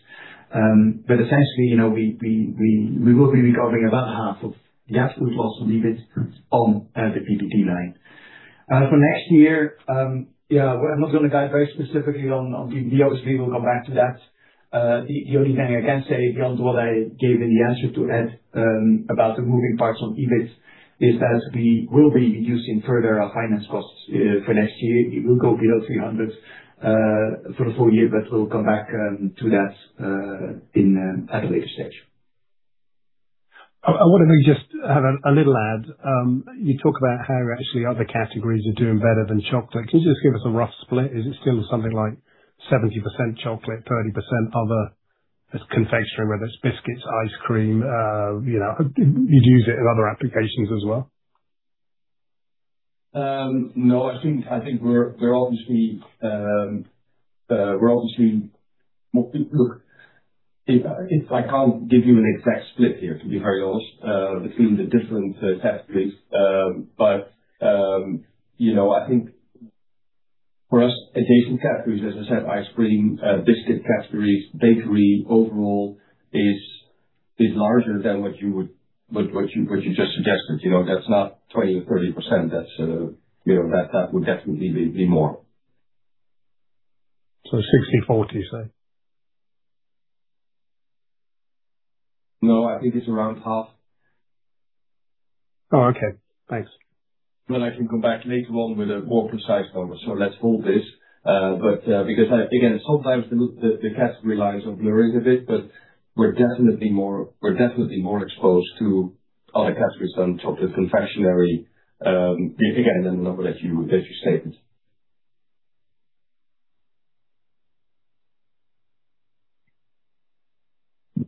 Essentially, we will be recovering about half of the absolute loss of EBIT on the PBT line. For next year, I'm not going to guide very specifically on PBT. Obviously, we'll come back to that. The only thing I can say beyond what I gave in the answer to Ed about the moving parts on EBIT is that we will be reducing further our finance costs for next year. It will go below 300 for the full year, but we'll come back to that at a later stage. I want to maybe just add a little add. You talk about how actually other categories are doing better than chocolate. Can you just give us a rough split? Is it still something like 70% chocolate, 30% other confectionery, whether it's biscuits, ice cream, you'd use it in other applications as well? No, I can't give you an exact split here, to be very honest, between the different categories. I think for us, adjacent categories, as I said, ice cream, biscuit categories, bakery overall is larger than what you just suggested. That's not 20% or 30%. That would definitely be more. 60/40, say? No, I think it's around half. Oh, okay. Thanks. I can come back later on with a more precise number. Let's hold this. Again, sometimes the category lines are blurring a bit, but we're definitely more exposed to other categories than chocolate confectionery. Again, I'm going to let you with your statement.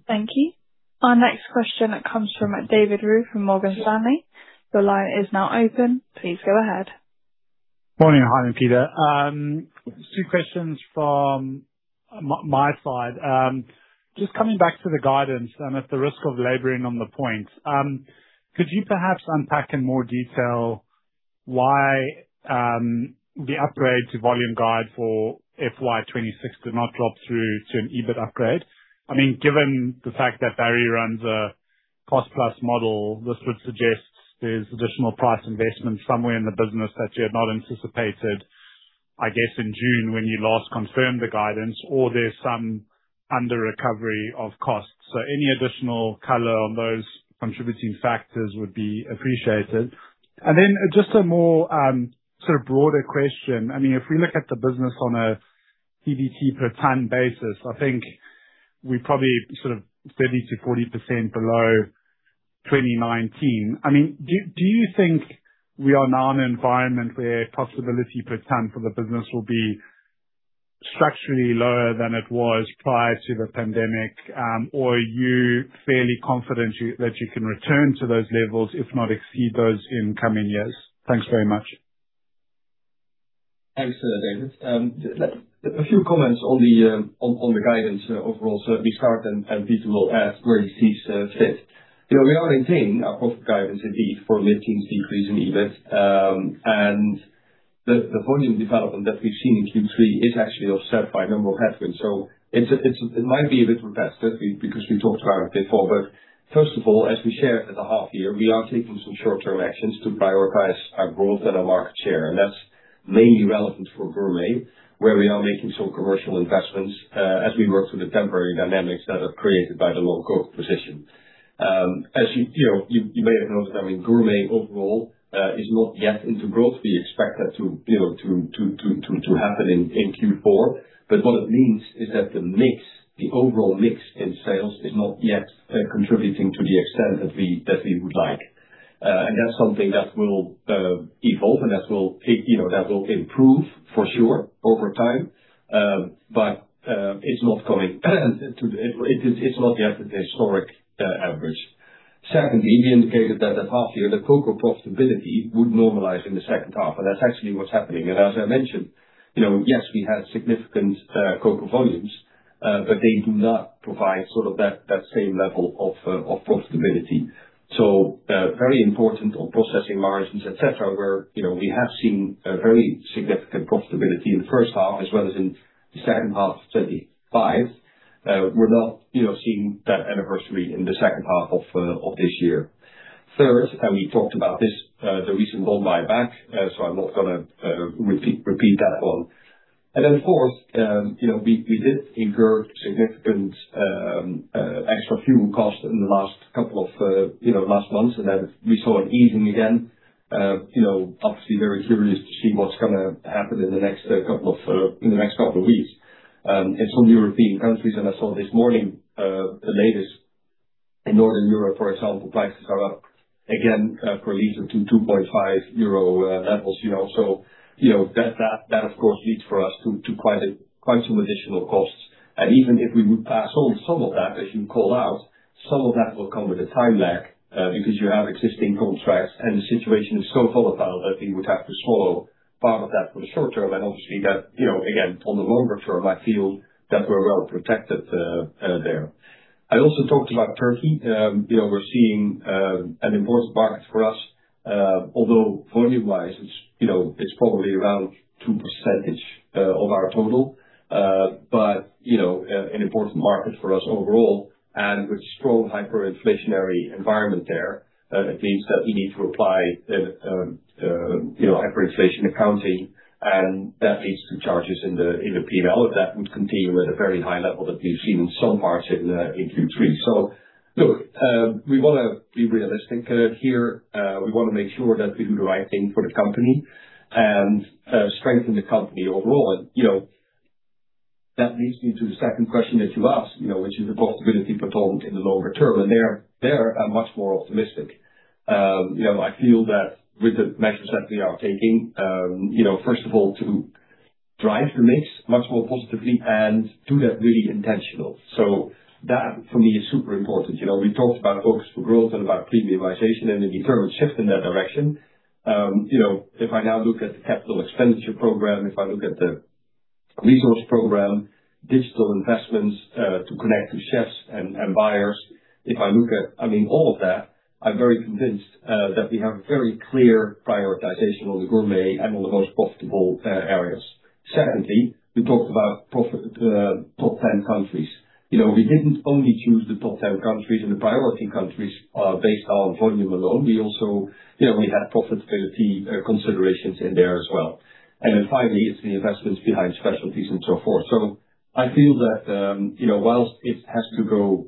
Thank you. Our next question comes from David Roux from Morgan Stanley. Your line is now open. Please go ahead. Morning, Hein and Peter. Two questions from my side. Just coming back to the guidance, at the risk of laboring on the point. Could you perhaps unpack in more detail why the upgrade to volume guide for FY 2026 did not drop through to an EBIT upgrade? Given the fact that Barry runs a cost-plus model, this would suggest there's additional price investment somewhere in the business that you had not anticipated, I guess, in June when you last confirmed the guidance, or there's some under recovery of costs. Any additional color on those contributing factors would be appreciated. Just a more sort of broader question. If we look at the business on a PBT per ton basis, I think we're probably sort of 30%-40% below 2019. Do you think we are now in an environment where profitability per ton for the business will be structurally lower than it was prior to the pandemic? Or are you fairly confident that you can return to those levels, if not exceed those in coming years? Thanks very much. Thanks, David. A few comments on the guidance overall. Let me start. Peter will add where he sees fit. We are maintaining our profit guidance indeed for mid-teen decrease in EBIT. The volume development that we've seen in Q3 is actually offset by a number of headwinds. It might be a bit repetitive because we talked about it before. First of all, as we shared at the half year, we are taking some short-term actions to prioritize our growth and our market share. That's mainly relevant for gourmet, where we are making some commercial investments as we work through the temporary dynamics that are created by the low cocoa position. You may have noticed, gourmet overall is not yet into growth. We expect that to happen in Q4. What it means is that the overall mix in sales is not yet contributing to the extent that we would like. That's something that will evolve and that will improve, for sure, over time. It's not yet at the historic average. Secondly, we indicated that the half year, the cocoa profitability would normalize in the second half. That's actually what's happening. As I mentioned, yes, we had significant cocoa volumes. They do not provide that same level of profitability. Very important on processing margins, et cetera, where we have seen a very significant profitability in the first half as well as in the second half of 2025. We're not seeing that anniversary in the second half of this year. Third, we talked about this, the recent Buyback. I'm not going to repeat that one. Fourth, we did incur significant extra fuel cost in the last months. We saw it easing again. Obviously very curious to see what's going to happen in the next couple of weeks. In some European countries, I saw this morning, the latest in Northern Europe, for example, prices are up again for at least up to 2.5 euro levels. That of course leads for us to quite some additional costs. Even if we would pass on some of that, as you call out, some of that will come with a time lag, because you have existing contracts. The situation is so volatile that we would have to swallow part of that for the short term. Obviously that, again, on the longer term, I feel that we're well protected there. I also talked about Turkey. We're seeing an important market for us, although volume wise, it's probably around 2% of our total. An important market for us overall, and with strong hyperinflationary environment there, it means that we need to apply hyperinflation accounting, and that leads to charges in the P&L. That would continue at a very high level that we've seen in some parts in Q3. We want to be realistic here. We want to make sure that we do the right thing for the company and strengthen the company overall. That leads me to the second question that you asked, which is the profitability per ton in the longer term. There I'm much more optimistic. I feel that with the measures that we are taking, first of all, to drive the mix much more positively and do that really intentional. That for me is super important. We talked about Focus for Growth and about premiumization and a determined shift in that direction. If I now look at the capital expenditure program, if I look at the resource program, digital investments to connect to chefs and buyers. All of that, I'm very convinced that we have a very clear prioritization on the gourmet and on the most profitable areas. Secondly, we talked about top 10 countries. We didn't only choose the top 10 countries and the priority countries based on volume alone. We had profitability considerations in there as well. Finally, it's the investments behind specialties and so forth. I feel that, whilst it has to go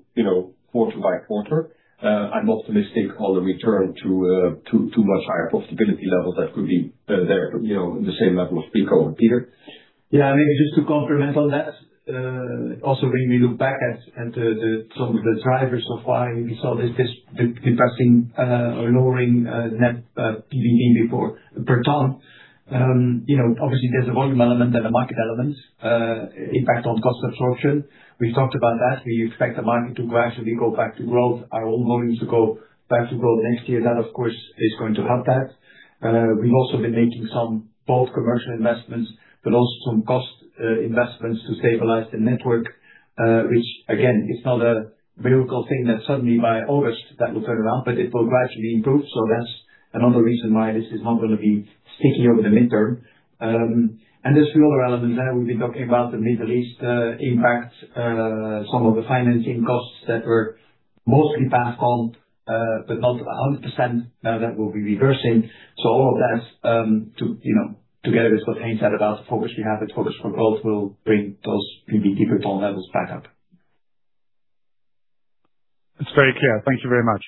quarter by quarter, I'm optimistic on the return to much higher profitability levels that could be there, the same level as Pico and Peter. Maybe just to complement on that. When we look back at some of the drivers of why we saw this depressing or lowering net PBT before per ton. Obviously, there's a volume element and a market element impact on cost absorption. We talked about that. We expect the market to gradually go back to growth. Our own volumes to go back to growth next year. That of course is going to help that. We've also been making some both commercial investments but also some cost investments to stabilize the network, which again, is not a miracle thing that suddenly by August that will turn around, but it will gradually improve. That's another reason why this is not going to be sticky over the midterm. There's a few other elements there. We've been talking about the Middle East impact, some of the financing costs that were mostly passed on, but not 100% now that we'll be reversing. All of that, together with what Hein said about the progress we have with Focus for Growth will bring those PBT per ton levels back up. That's very clear. Thank you very much.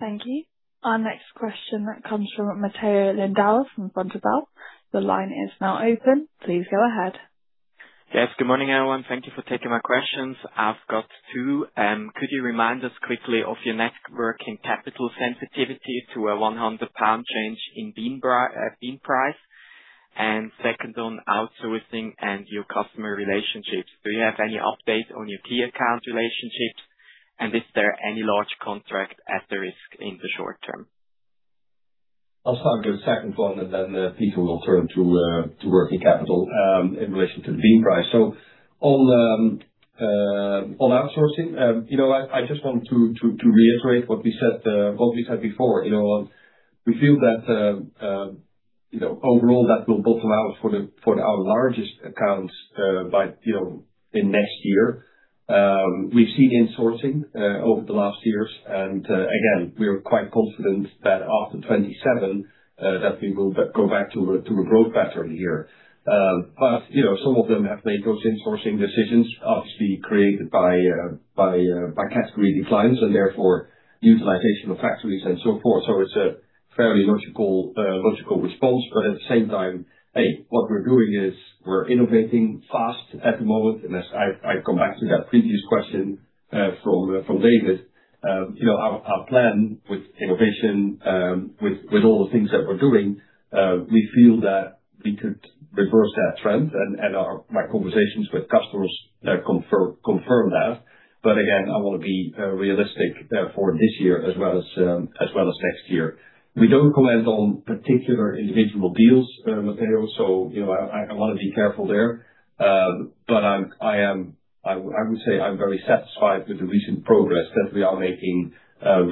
Thank you. Our next question comes from Matteo Lindauer from Vontobel. The line is now open. Please go ahead. Yes. Good morning, everyone. Thank you for taking my questions. I've got two. Could you remind us quickly of your net working capital sensitivity to a 100 pound change in bean price? Second on outsourcing and your customer relationships, do you have any update on your key account relationships? Is there any large contract at risk in the short term? I'll start with the second one, and then Peter will turn to working capital in relation to the bean price. On outsourcing, I just want to reiterate what we said before. We feel that overall, that will bottom out for our largest accounts in next year. We've seen insourcing over the last years, and again, we are quite confident that after 2027, that we will go back to a growth pattern here. Some of them have made those insourcing decisions, obviously created by category declines, and therefore utilization of factories and so forth. It's a fairly logical response. At the same time, A, what we're doing is we're innovating fast at the moment. As I come back to that previous question from David, our plan with innovation, with all the things that we're doing, we feel that we could reverse that trend, and my conversations with customers confirm that. Again, I want to be realistic for this year as well as next year. We don't comment on particular individual deals, Matteo. I want to be careful there. I would say I'm very satisfied with the recent progress that we are making, not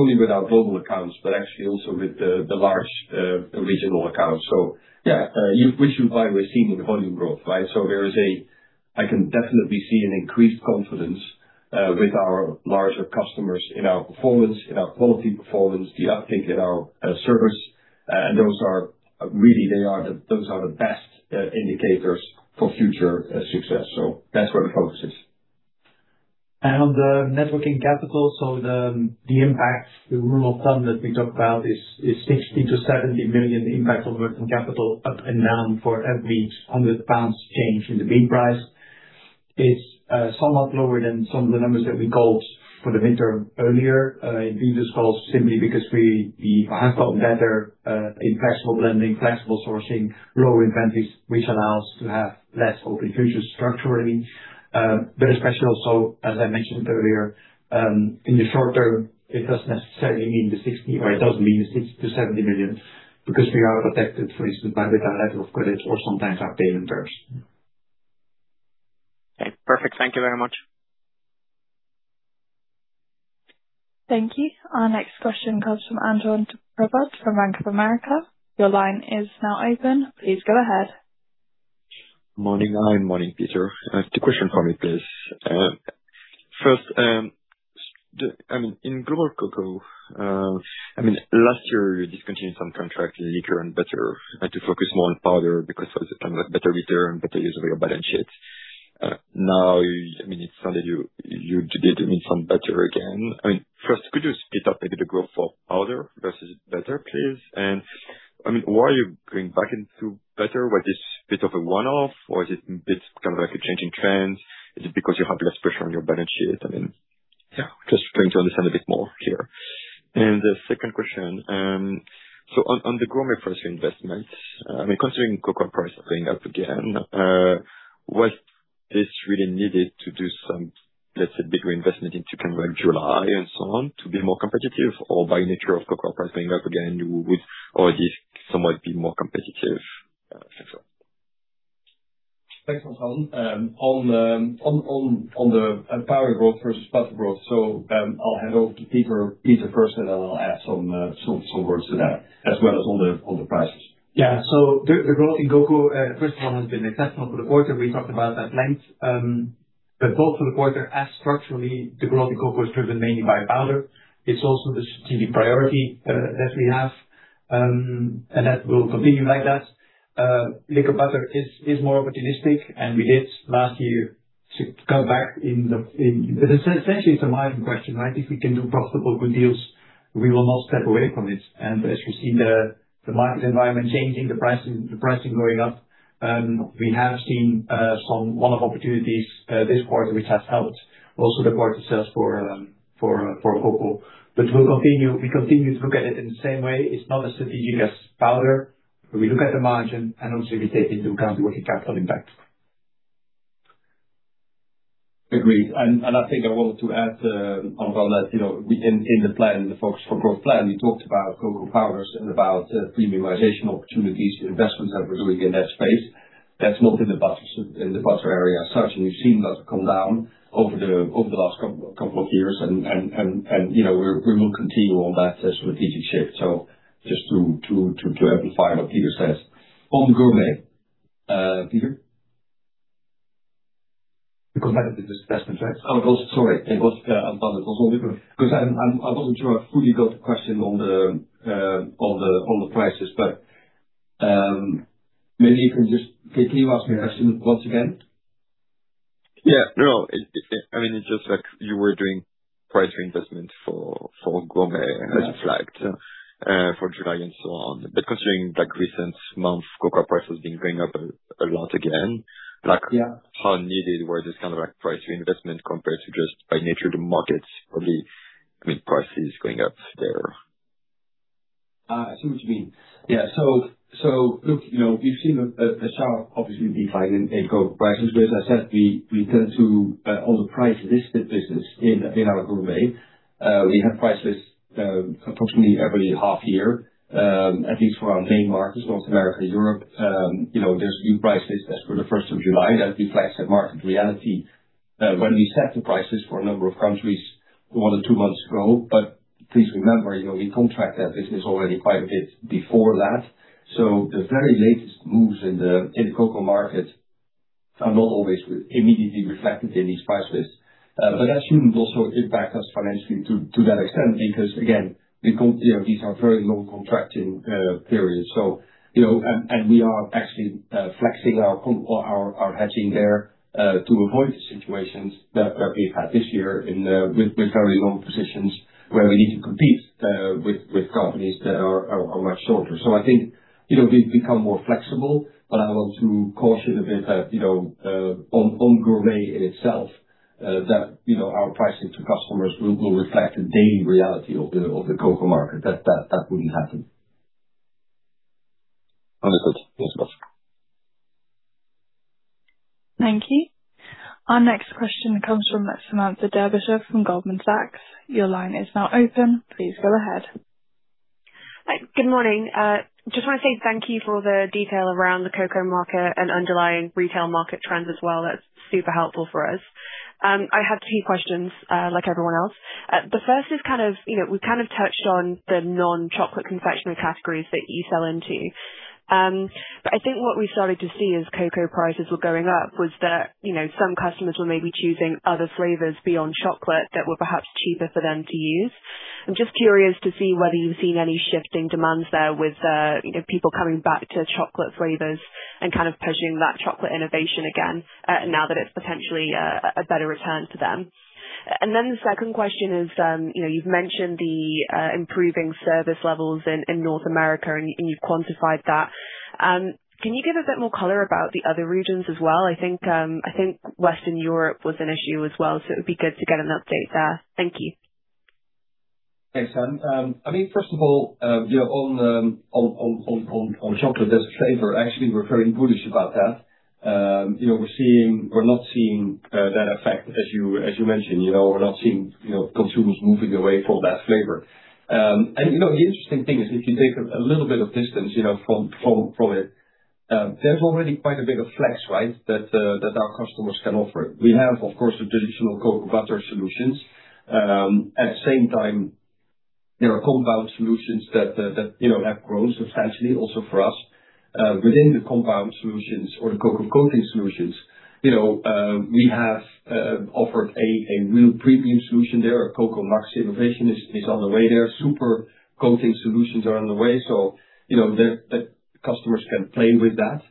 only with our global accounts, but actually also with the large regional accounts. Yeah, which you find we're seeing in volume growth, right? I can definitely see an increased confidence with our larger customers in our performance, in our quality performance, I think in our service. Those are the best indicators for future success. That's where the focus is. On the net working capital, so the impact, the rule of thumb that we talked about is 60 million-70 million impact on working capital up and down for every 100 pounds change in the bean price. It's somewhat lower than some of the numbers that we called for the midterm earlier in these results, simply because we have gotten better in flexible blending, flexible sourcing, lower inventories, which allow us to have less open futures structurally. Especially also, as I mentioned earlier, in the short term, it doesn't mean the 60 million-70 million, because we are protected, for instance, by the level of credits or sometimes our tail inverse. Okay, perfect. Thank you very much. Thank you. Our next question comes from Antoine Prevot from Bank of America. Your line is now open. Please go ahead. Morning, Hein. Morning, Peter. Two question for me, please. First, in global cocoa, last year you discontinued some contracts, liquor and butter. Had to focus more on powder because it was a better return, better use of your balance sheet. Now, it's sounded you did some butter again. First, could you split up maybe the growth for powder versus butter, please? Why are you going back into butter? Was this bit of a one-off or is it a bit like a changing trend? Is it because you have less pressure on your balance sheet? I mean- Yeah. Just trying to understand a bit more clear. The second question, on the Gourmet pricing investment, considering cocoa prices are going up again, was this really needed to do some, let's say, bigger investment into July and so on to be more competitive, or by nature of cocoa pricing up again, you would already somewhat be more competitive, et cetera? Thanks, Antoine. On the powder growth versus butter growth, I'll hand over to Peter first, and then I'll add some words to that, as well as on the prices. Yeah. The growth in cocoa, first of all, has been exceptional for the quarter. We talked about that at length. Both for the quarter and structurally, the growth in cocoa is driven mainly by powder. It's also the strategic priority that we have, and that will continue like that. Liquor butter is more opportunistic, and we did last year to cut back. Essentially, it's a margin question, right? If we can do profitable good deals, we will not step away from it. As you see the market environment changing, the pricing going up, we have seen some one-off opportunities this quarter, which has helped also the quarter sales for cocoa. We continue to look at it in the same way. It's not as strategic as powder, but we look at the margin, and also we take into account working capital impact. Agreed. I think I wanted to add, Antoine, that in the Focus for Growth plan, we talked about cocoa powders and about premiumization opportunities, investments that we're doing in that space. That's not in the butter area as such, and we've seen that come down over the last couple of years. We will continue on that strategic shift. Just to amplify what Peter says. On the Gourmet, Peter? You were talking about the investment, right? Sorry. Antoine, it was only because I wasn't sure I fully got the question on the prices, but maybe you can ask me the question once again? Yeah. No, it's just like you were doing price reinvestments for Gourmet as you flagged for July and so on. Considering recent months, cocoa prices been going up a lot again. Yeah. How needed was this price reinvestment compared to just by nature the markets, probably with prices going up there? I see what you mean. Yes. Look, we've seen a sharp, obviously, decline in cocoa prices. As I said, we tend to, on the price listed business in our Gourmet, we have price lists approximately every half year, at least for our main markets, North America, Europe. There's new price list as for the 1st of July that reflects the market reality. When we set the prices for a number of countries one or two months ago. Please remember, we contract that business already quite a bit before that. The very latest moves in the cocoa market are not always immediately reflected in these prices. That shouldn't also impact us financially to that extent, because again, these are very long contracting periods. We are actually flexing our hedging there to avoid the situations that we've had this year with very long positions where we need to compete with companies that are much shorter. I think, we've become more flexible, but I want to caution a bit that on Gourmet in itself, that our pricing to customers will reflect the daily reality of the cocoa market. That wouldn't happen. Understood. Thanks, both. Thank you. Our next question comes from Samantha Darbyshire from Goldman Sachs. Your line is now open. Please go ahead. Hi, good morning. Just want to say thank you for the detail around the cocoa market and underlying retail market trends as well. That's super helpful for us. I have two questions, like everyone else. The first is, we touched on the non-chocolate confectionery categories that you sell into. I think what we started to see as cocoa prices were going up was that, some customers were maybe choosing other flavors beyond chocolate that were perhaps cheaper for them to use. I'm just curious to see whether you've seen any shift in demands there with people coming back to chocolate flavors and pursuing that chocolate innovation again, now that it's potentially a better return for them. The second question is, you've mentioned the improving service levels in North America, and you've quantified that. Can you give a bit more color about the other regions as well? I think Western Europe was an issue as well, it would be good to get an update there. Thank you. Thanks, Sam. First of all, on chocolate as a flavor, actually, we're very bullish about that. We're not seeing that effect as you mentioned. We're not seeing consumers moving away from that flavor. The interesting thing is, if you take a little bit of distance from it, there's already quite a bit of flex, right? That our customers can offer. We have, of course, the traditional cocoa butter solutions. At the same time, there are compound solutions that have grown substantially also for us. Within the compound solutions or the cocoa coating solutions, we have offered a real premium solution there. A Cacao Max innovation is on the way there. Super coating solutions are on the way. Customers can play with that.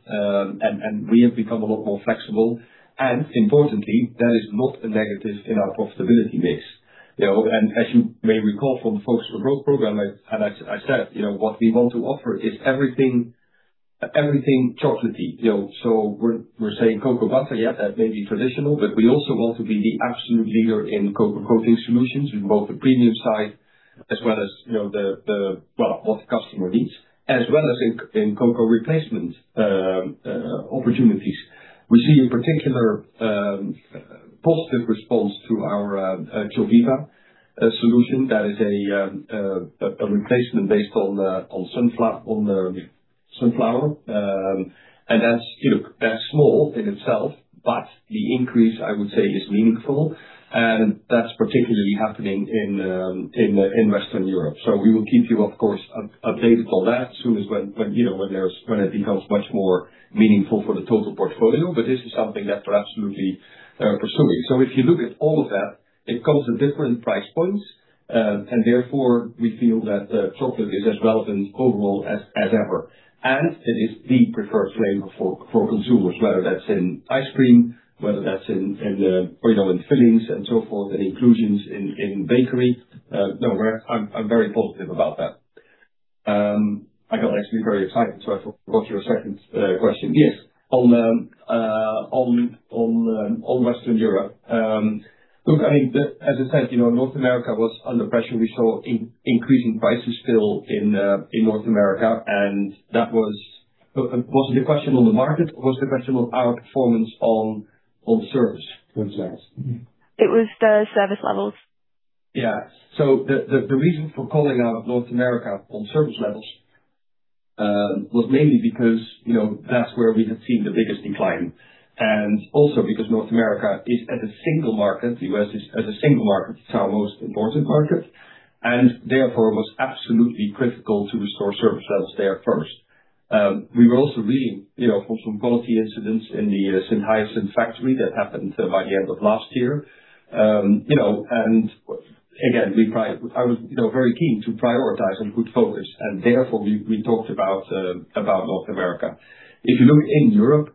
Importantly, that is not a negative in our profitability mix. As you may recall from the Focus for Growth program, as I said, what we want to offer is everything chocolatey. We're saying cocoa butter, yeah, that may be traditional, but we also want to be the absolute leader in cocoa coating solutions in both the premium side as well as what the customer needs, as well as in cocoa replacement opportunities. We see in particular, positive response to our ChoViva solution that is a replacement based on sunflower. That's small in itself, but the increase, I would say, is meaningful. That's particularly happening in Western Europe. We will keep you, of course, updated on that as soon as when it becomes much more meaningful for the total portfolio. This is something that we're absolutely pursuing. If you look at all of that, it comes at different price points, and therefore, we feel that chocolate is as relevant overall as ever. It is the preferred flavor for consumers, whether that's in ice cream, whether that's in fillings and so forth, and inclusions in bakery. I'm very positive about that. I got actually very excited, so I forgot your second question. Yes. On Western Europe. Look, I think as I said, North America was under pressure. We saw increasing prices still in North America, and that was the question on the market, or was the question on our performance on service levels? It was the service levels. The reason for calling out North America on service levels, was mainly because that's where we had seen the biggest decline, and also because North America is at a single market. The U.S. is at a single market. It's our most important market, and therefore, it was absolutely critical to restore service levels there first. We were also reading for some quality incidents in the Saint-Hyacinthe Factory that happened by the end of last year. Again, I was very keen to prioritize and put focus, and therefore, we talked about North America. If you look in Europe,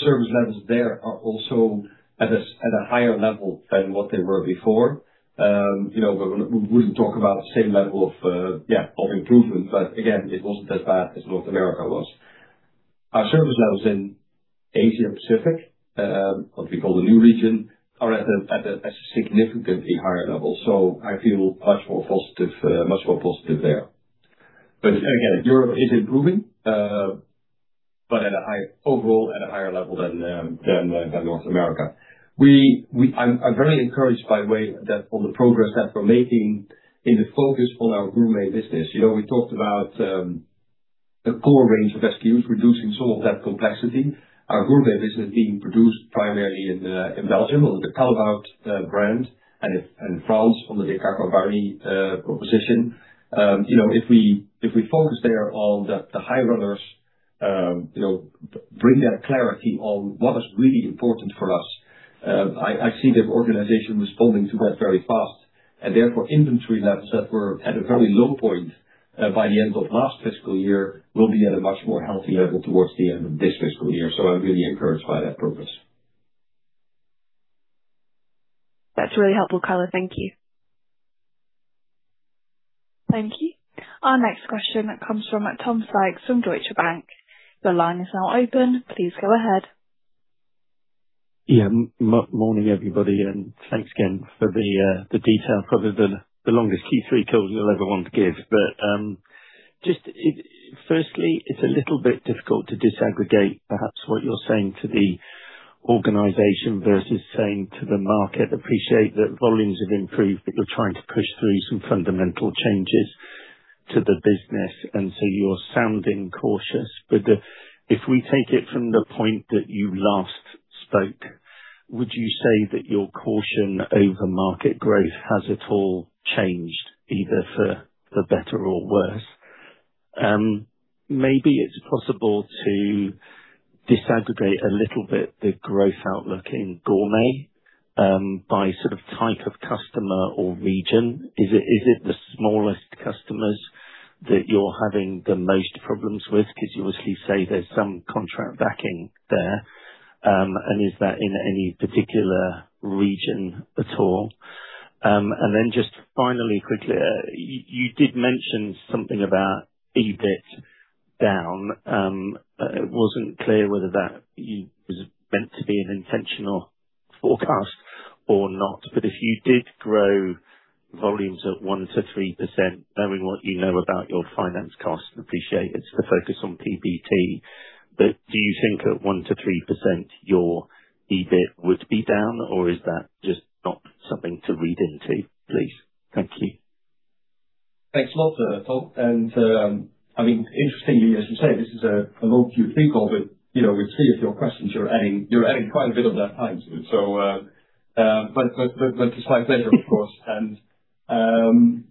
service levels there are also at a higher level than what they were before. We wouldn't talk about the same level of improvement, but again, it wasn't as bad as North America was. Our service levels in Asia-Pacific, what we call the new region, are at a significantly higher level. I feel much more positive there. Again, Europe is improving, but overall at a higher level than North America. I'm very encouraged by the way on the progress that we're making in the focus on our gourmet business. The core range of SKUs, reducing some of that complexity. Our gourmet business being produced primarily in Belgium under the Callebaut brand, and in France under the Cacao Barry proposition. If we focus there on the high runners, bring that clarity on what is really important for us. I see the organization responding to that very fast, and therefore, inventory levels that were at a very low point by the end of last fiscal year will be at a much more healthy level towards the end of this fiscal year. I'm really encouraged by that progress. That's really helpful caller. Thank you. Thank you. Our next question comes from Tom Sykes from Deutsche Bank. The line is now open. Please go ahead. Yeah. Morning, everybody, and thanks again for the detail. Probably the longest Q3 call you'll ever want to give. Just firstly, it's a little bit difficult to disaggregate perhaps what you're saying to the organization versus saying to the market. Appreciate that volumes have improved, but you're trying to push through some fundamental changes to the business, so you're sounding cautious. If we take it from the point that you last spoke, would you say that your caution over market growth, has it all changed either for the better or worse? Maybe it's possible to disaggregate a little bit the growth outlook in gourmet by sort of type of customer or region. Is it the smallest customers that you're having the most problems with? Because you obviously say there's some contract backing there. Is that in any particular region at all? Just finally, quickly, you did mention something about EBIT down. It wasn't clear whether that was meant to be an intentional forecast or not. If you did grow volumes at 1%-3%, knowing what you know about your finance costs, appreciate it's the focus on PBT, but do you think at 1%-3% your EBIT would be down, or is that just not something to read into, please? Thank you. Thanks a lot, Tom. Interestingly, as you say, this is a long Q3 call, but with three of your questions, you're adding quite a bit of that time to it. A slight pleasure, of course. Tom,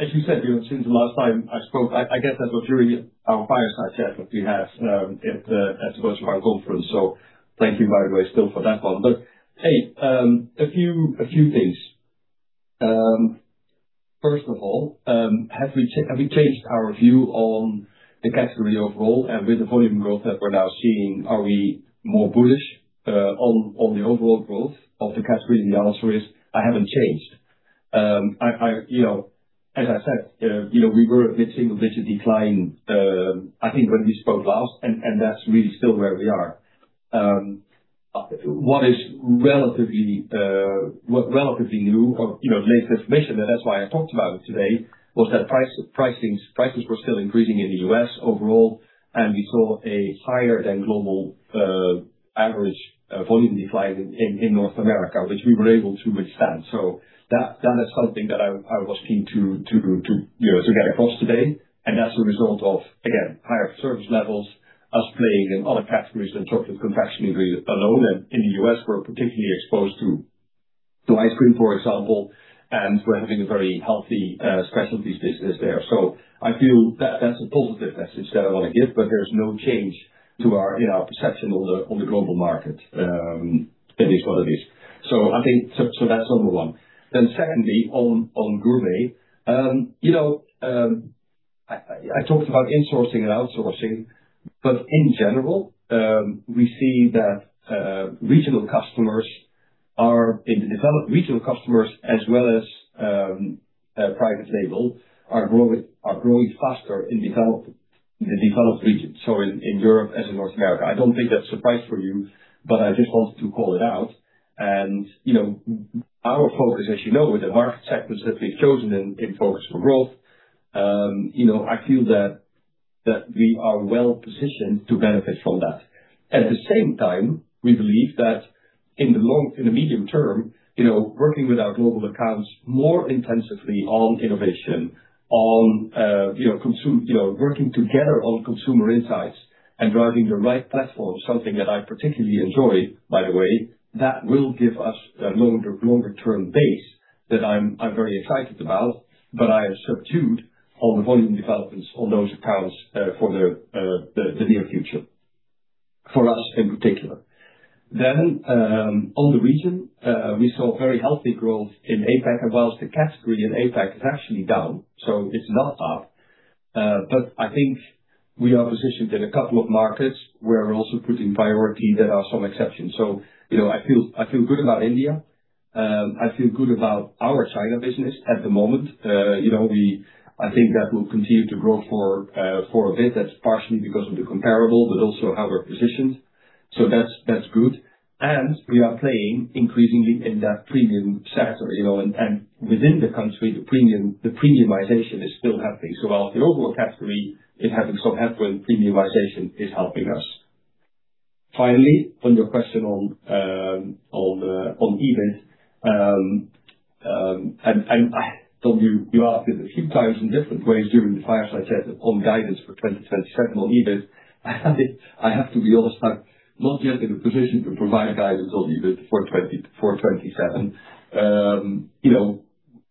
as you said, since the last time I spoke, I guess that was really our fireside chat that we had at the first round conference, so thank you, by the way, still for that one. Hey, a few things. First of all, have we changed our view on the category overall and with the volume growth that we're now seeing, are we more bullish on the overall growth of the category? The answer is, I haven't changed. As I said, we were mid-single digit decline, I think when we spoke last, that's really still where we are. What is relatively new or latest information, that's why I talked about it today, was that prices were still increasing in the U.S. overall, we saw a higher than global average volume decline in North America, which we were able to withstand. That is something that I was keen to get across today. That's a result of, again, higher service levels, us playing in other categories than chocolate confectionary alone. In the U.S., we're particularly exposed to ice cream, for example, we're having a very healthy specialties business there. I feel that's a positive that's instead I want to give, but there's no change to our perception on the global market. It is what it is. That's number one. Secondly, on gourmet. I talked about insourcing and outsourcing, but in general, we see that regional customers as well as private label are growing faster in developed regions, so in Europe as in North America. I don't think that's a surprise for you, but I just want to call it out. Our focus, as you know, the market sectors that we've chosen and in Focus for Growth, I feel that we are well-positioned to benefit from that. At the same time, we believe that in the medium term, working with our global accounts more intensively on innovation, working together on consumer insights and driving the right platform, something that I particularly enjoy, by the way, that will give us a longer term base that I'm very excited about. I subdued on the volume developments on those accounts for the near future for us in particular. On the region, we saw very healthy growth in APAC. Whilst the category in APAC is actually down, so it's not up, but I think we are positioned in a couple of markets where we're also putting priority. There are some exceptions. I feel good about India. I feel good about our China business at the moment. I think that will continue to grow for a bit. That's partially because of the comparable, but also how we're positioned. That's good. We are playing increasingly in that premium sector, and within the country, the premiumization is still happening. While the overall category is having some headwind, premiumization is helping us. Finally, on your question on EBIT, Tom, you asked it a few times in different ways during the fireside chat on guidance for 2027 on EBIT. I have to be honest, I'm not yet in a position to provide guidance on EBIT for 2027.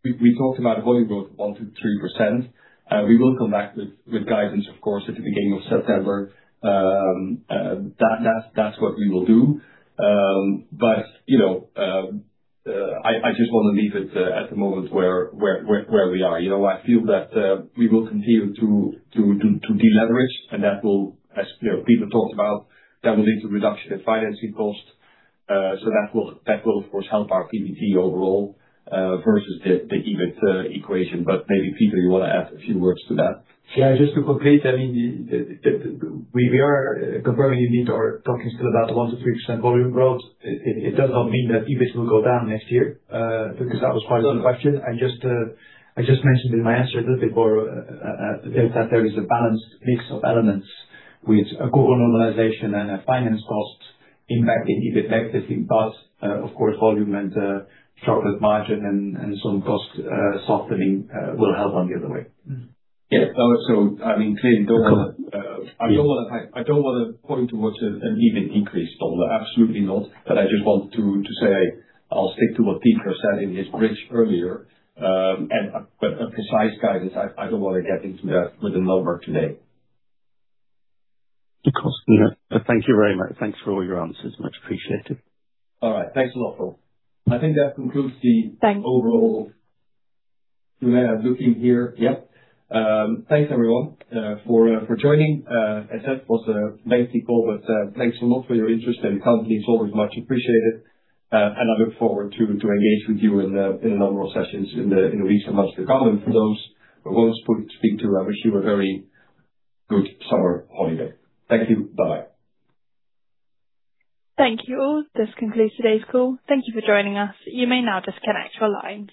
We talked about a volume growth of 1% to 3%. We will come back with guidance, of course, at the beginning of September. That's what we will do. I just want to leave it at the moment where we are. I feel that we will continue to deleverage, and that will, as Peter talked about, that will lead to reduction in financing costs. That will, of course, help our PBT overall versus the EBIT equation. Maybe, Peter, you want to add a few words to that? Just to complete, we are confirming indeed or talking still about 1%-3% volume growth. It does not mean that EBIT will go down next year, because that was part of the question. I just mentioned in my answer a little bit that there is a balanced mix of elements with a global normalization and a finance cost impact, EBIT negative impact. Of course, volume and chocolate margin and some cost softening will help on the other way. Yeah. Tom, I don't want to point towards an EBIT increase, though. Absolutely not. I just want to say, I'll stick to what Peter said in his bridge earlier, but a precise guidance, I don't want to get into the number today. Of course. Thank you very much. Thanks for all your answers. Much appreciated. All right. Thanks a lot, Tom. I think that concludes. Thanks overall. We may have Luc in here. Yep. Thanks, everyone, for joining. As said, it was a basic call, but thanks a lot for your interest in the company. It's always much appreciated. I look forward to engage with you in a number of sessions in the weeks and months to come. For those I won't speak to, I wish you a very good summer holiday. Thank you. Bye. Thank you all. This concludes today's call. Thank you for joining us. You may now disconnect your lines.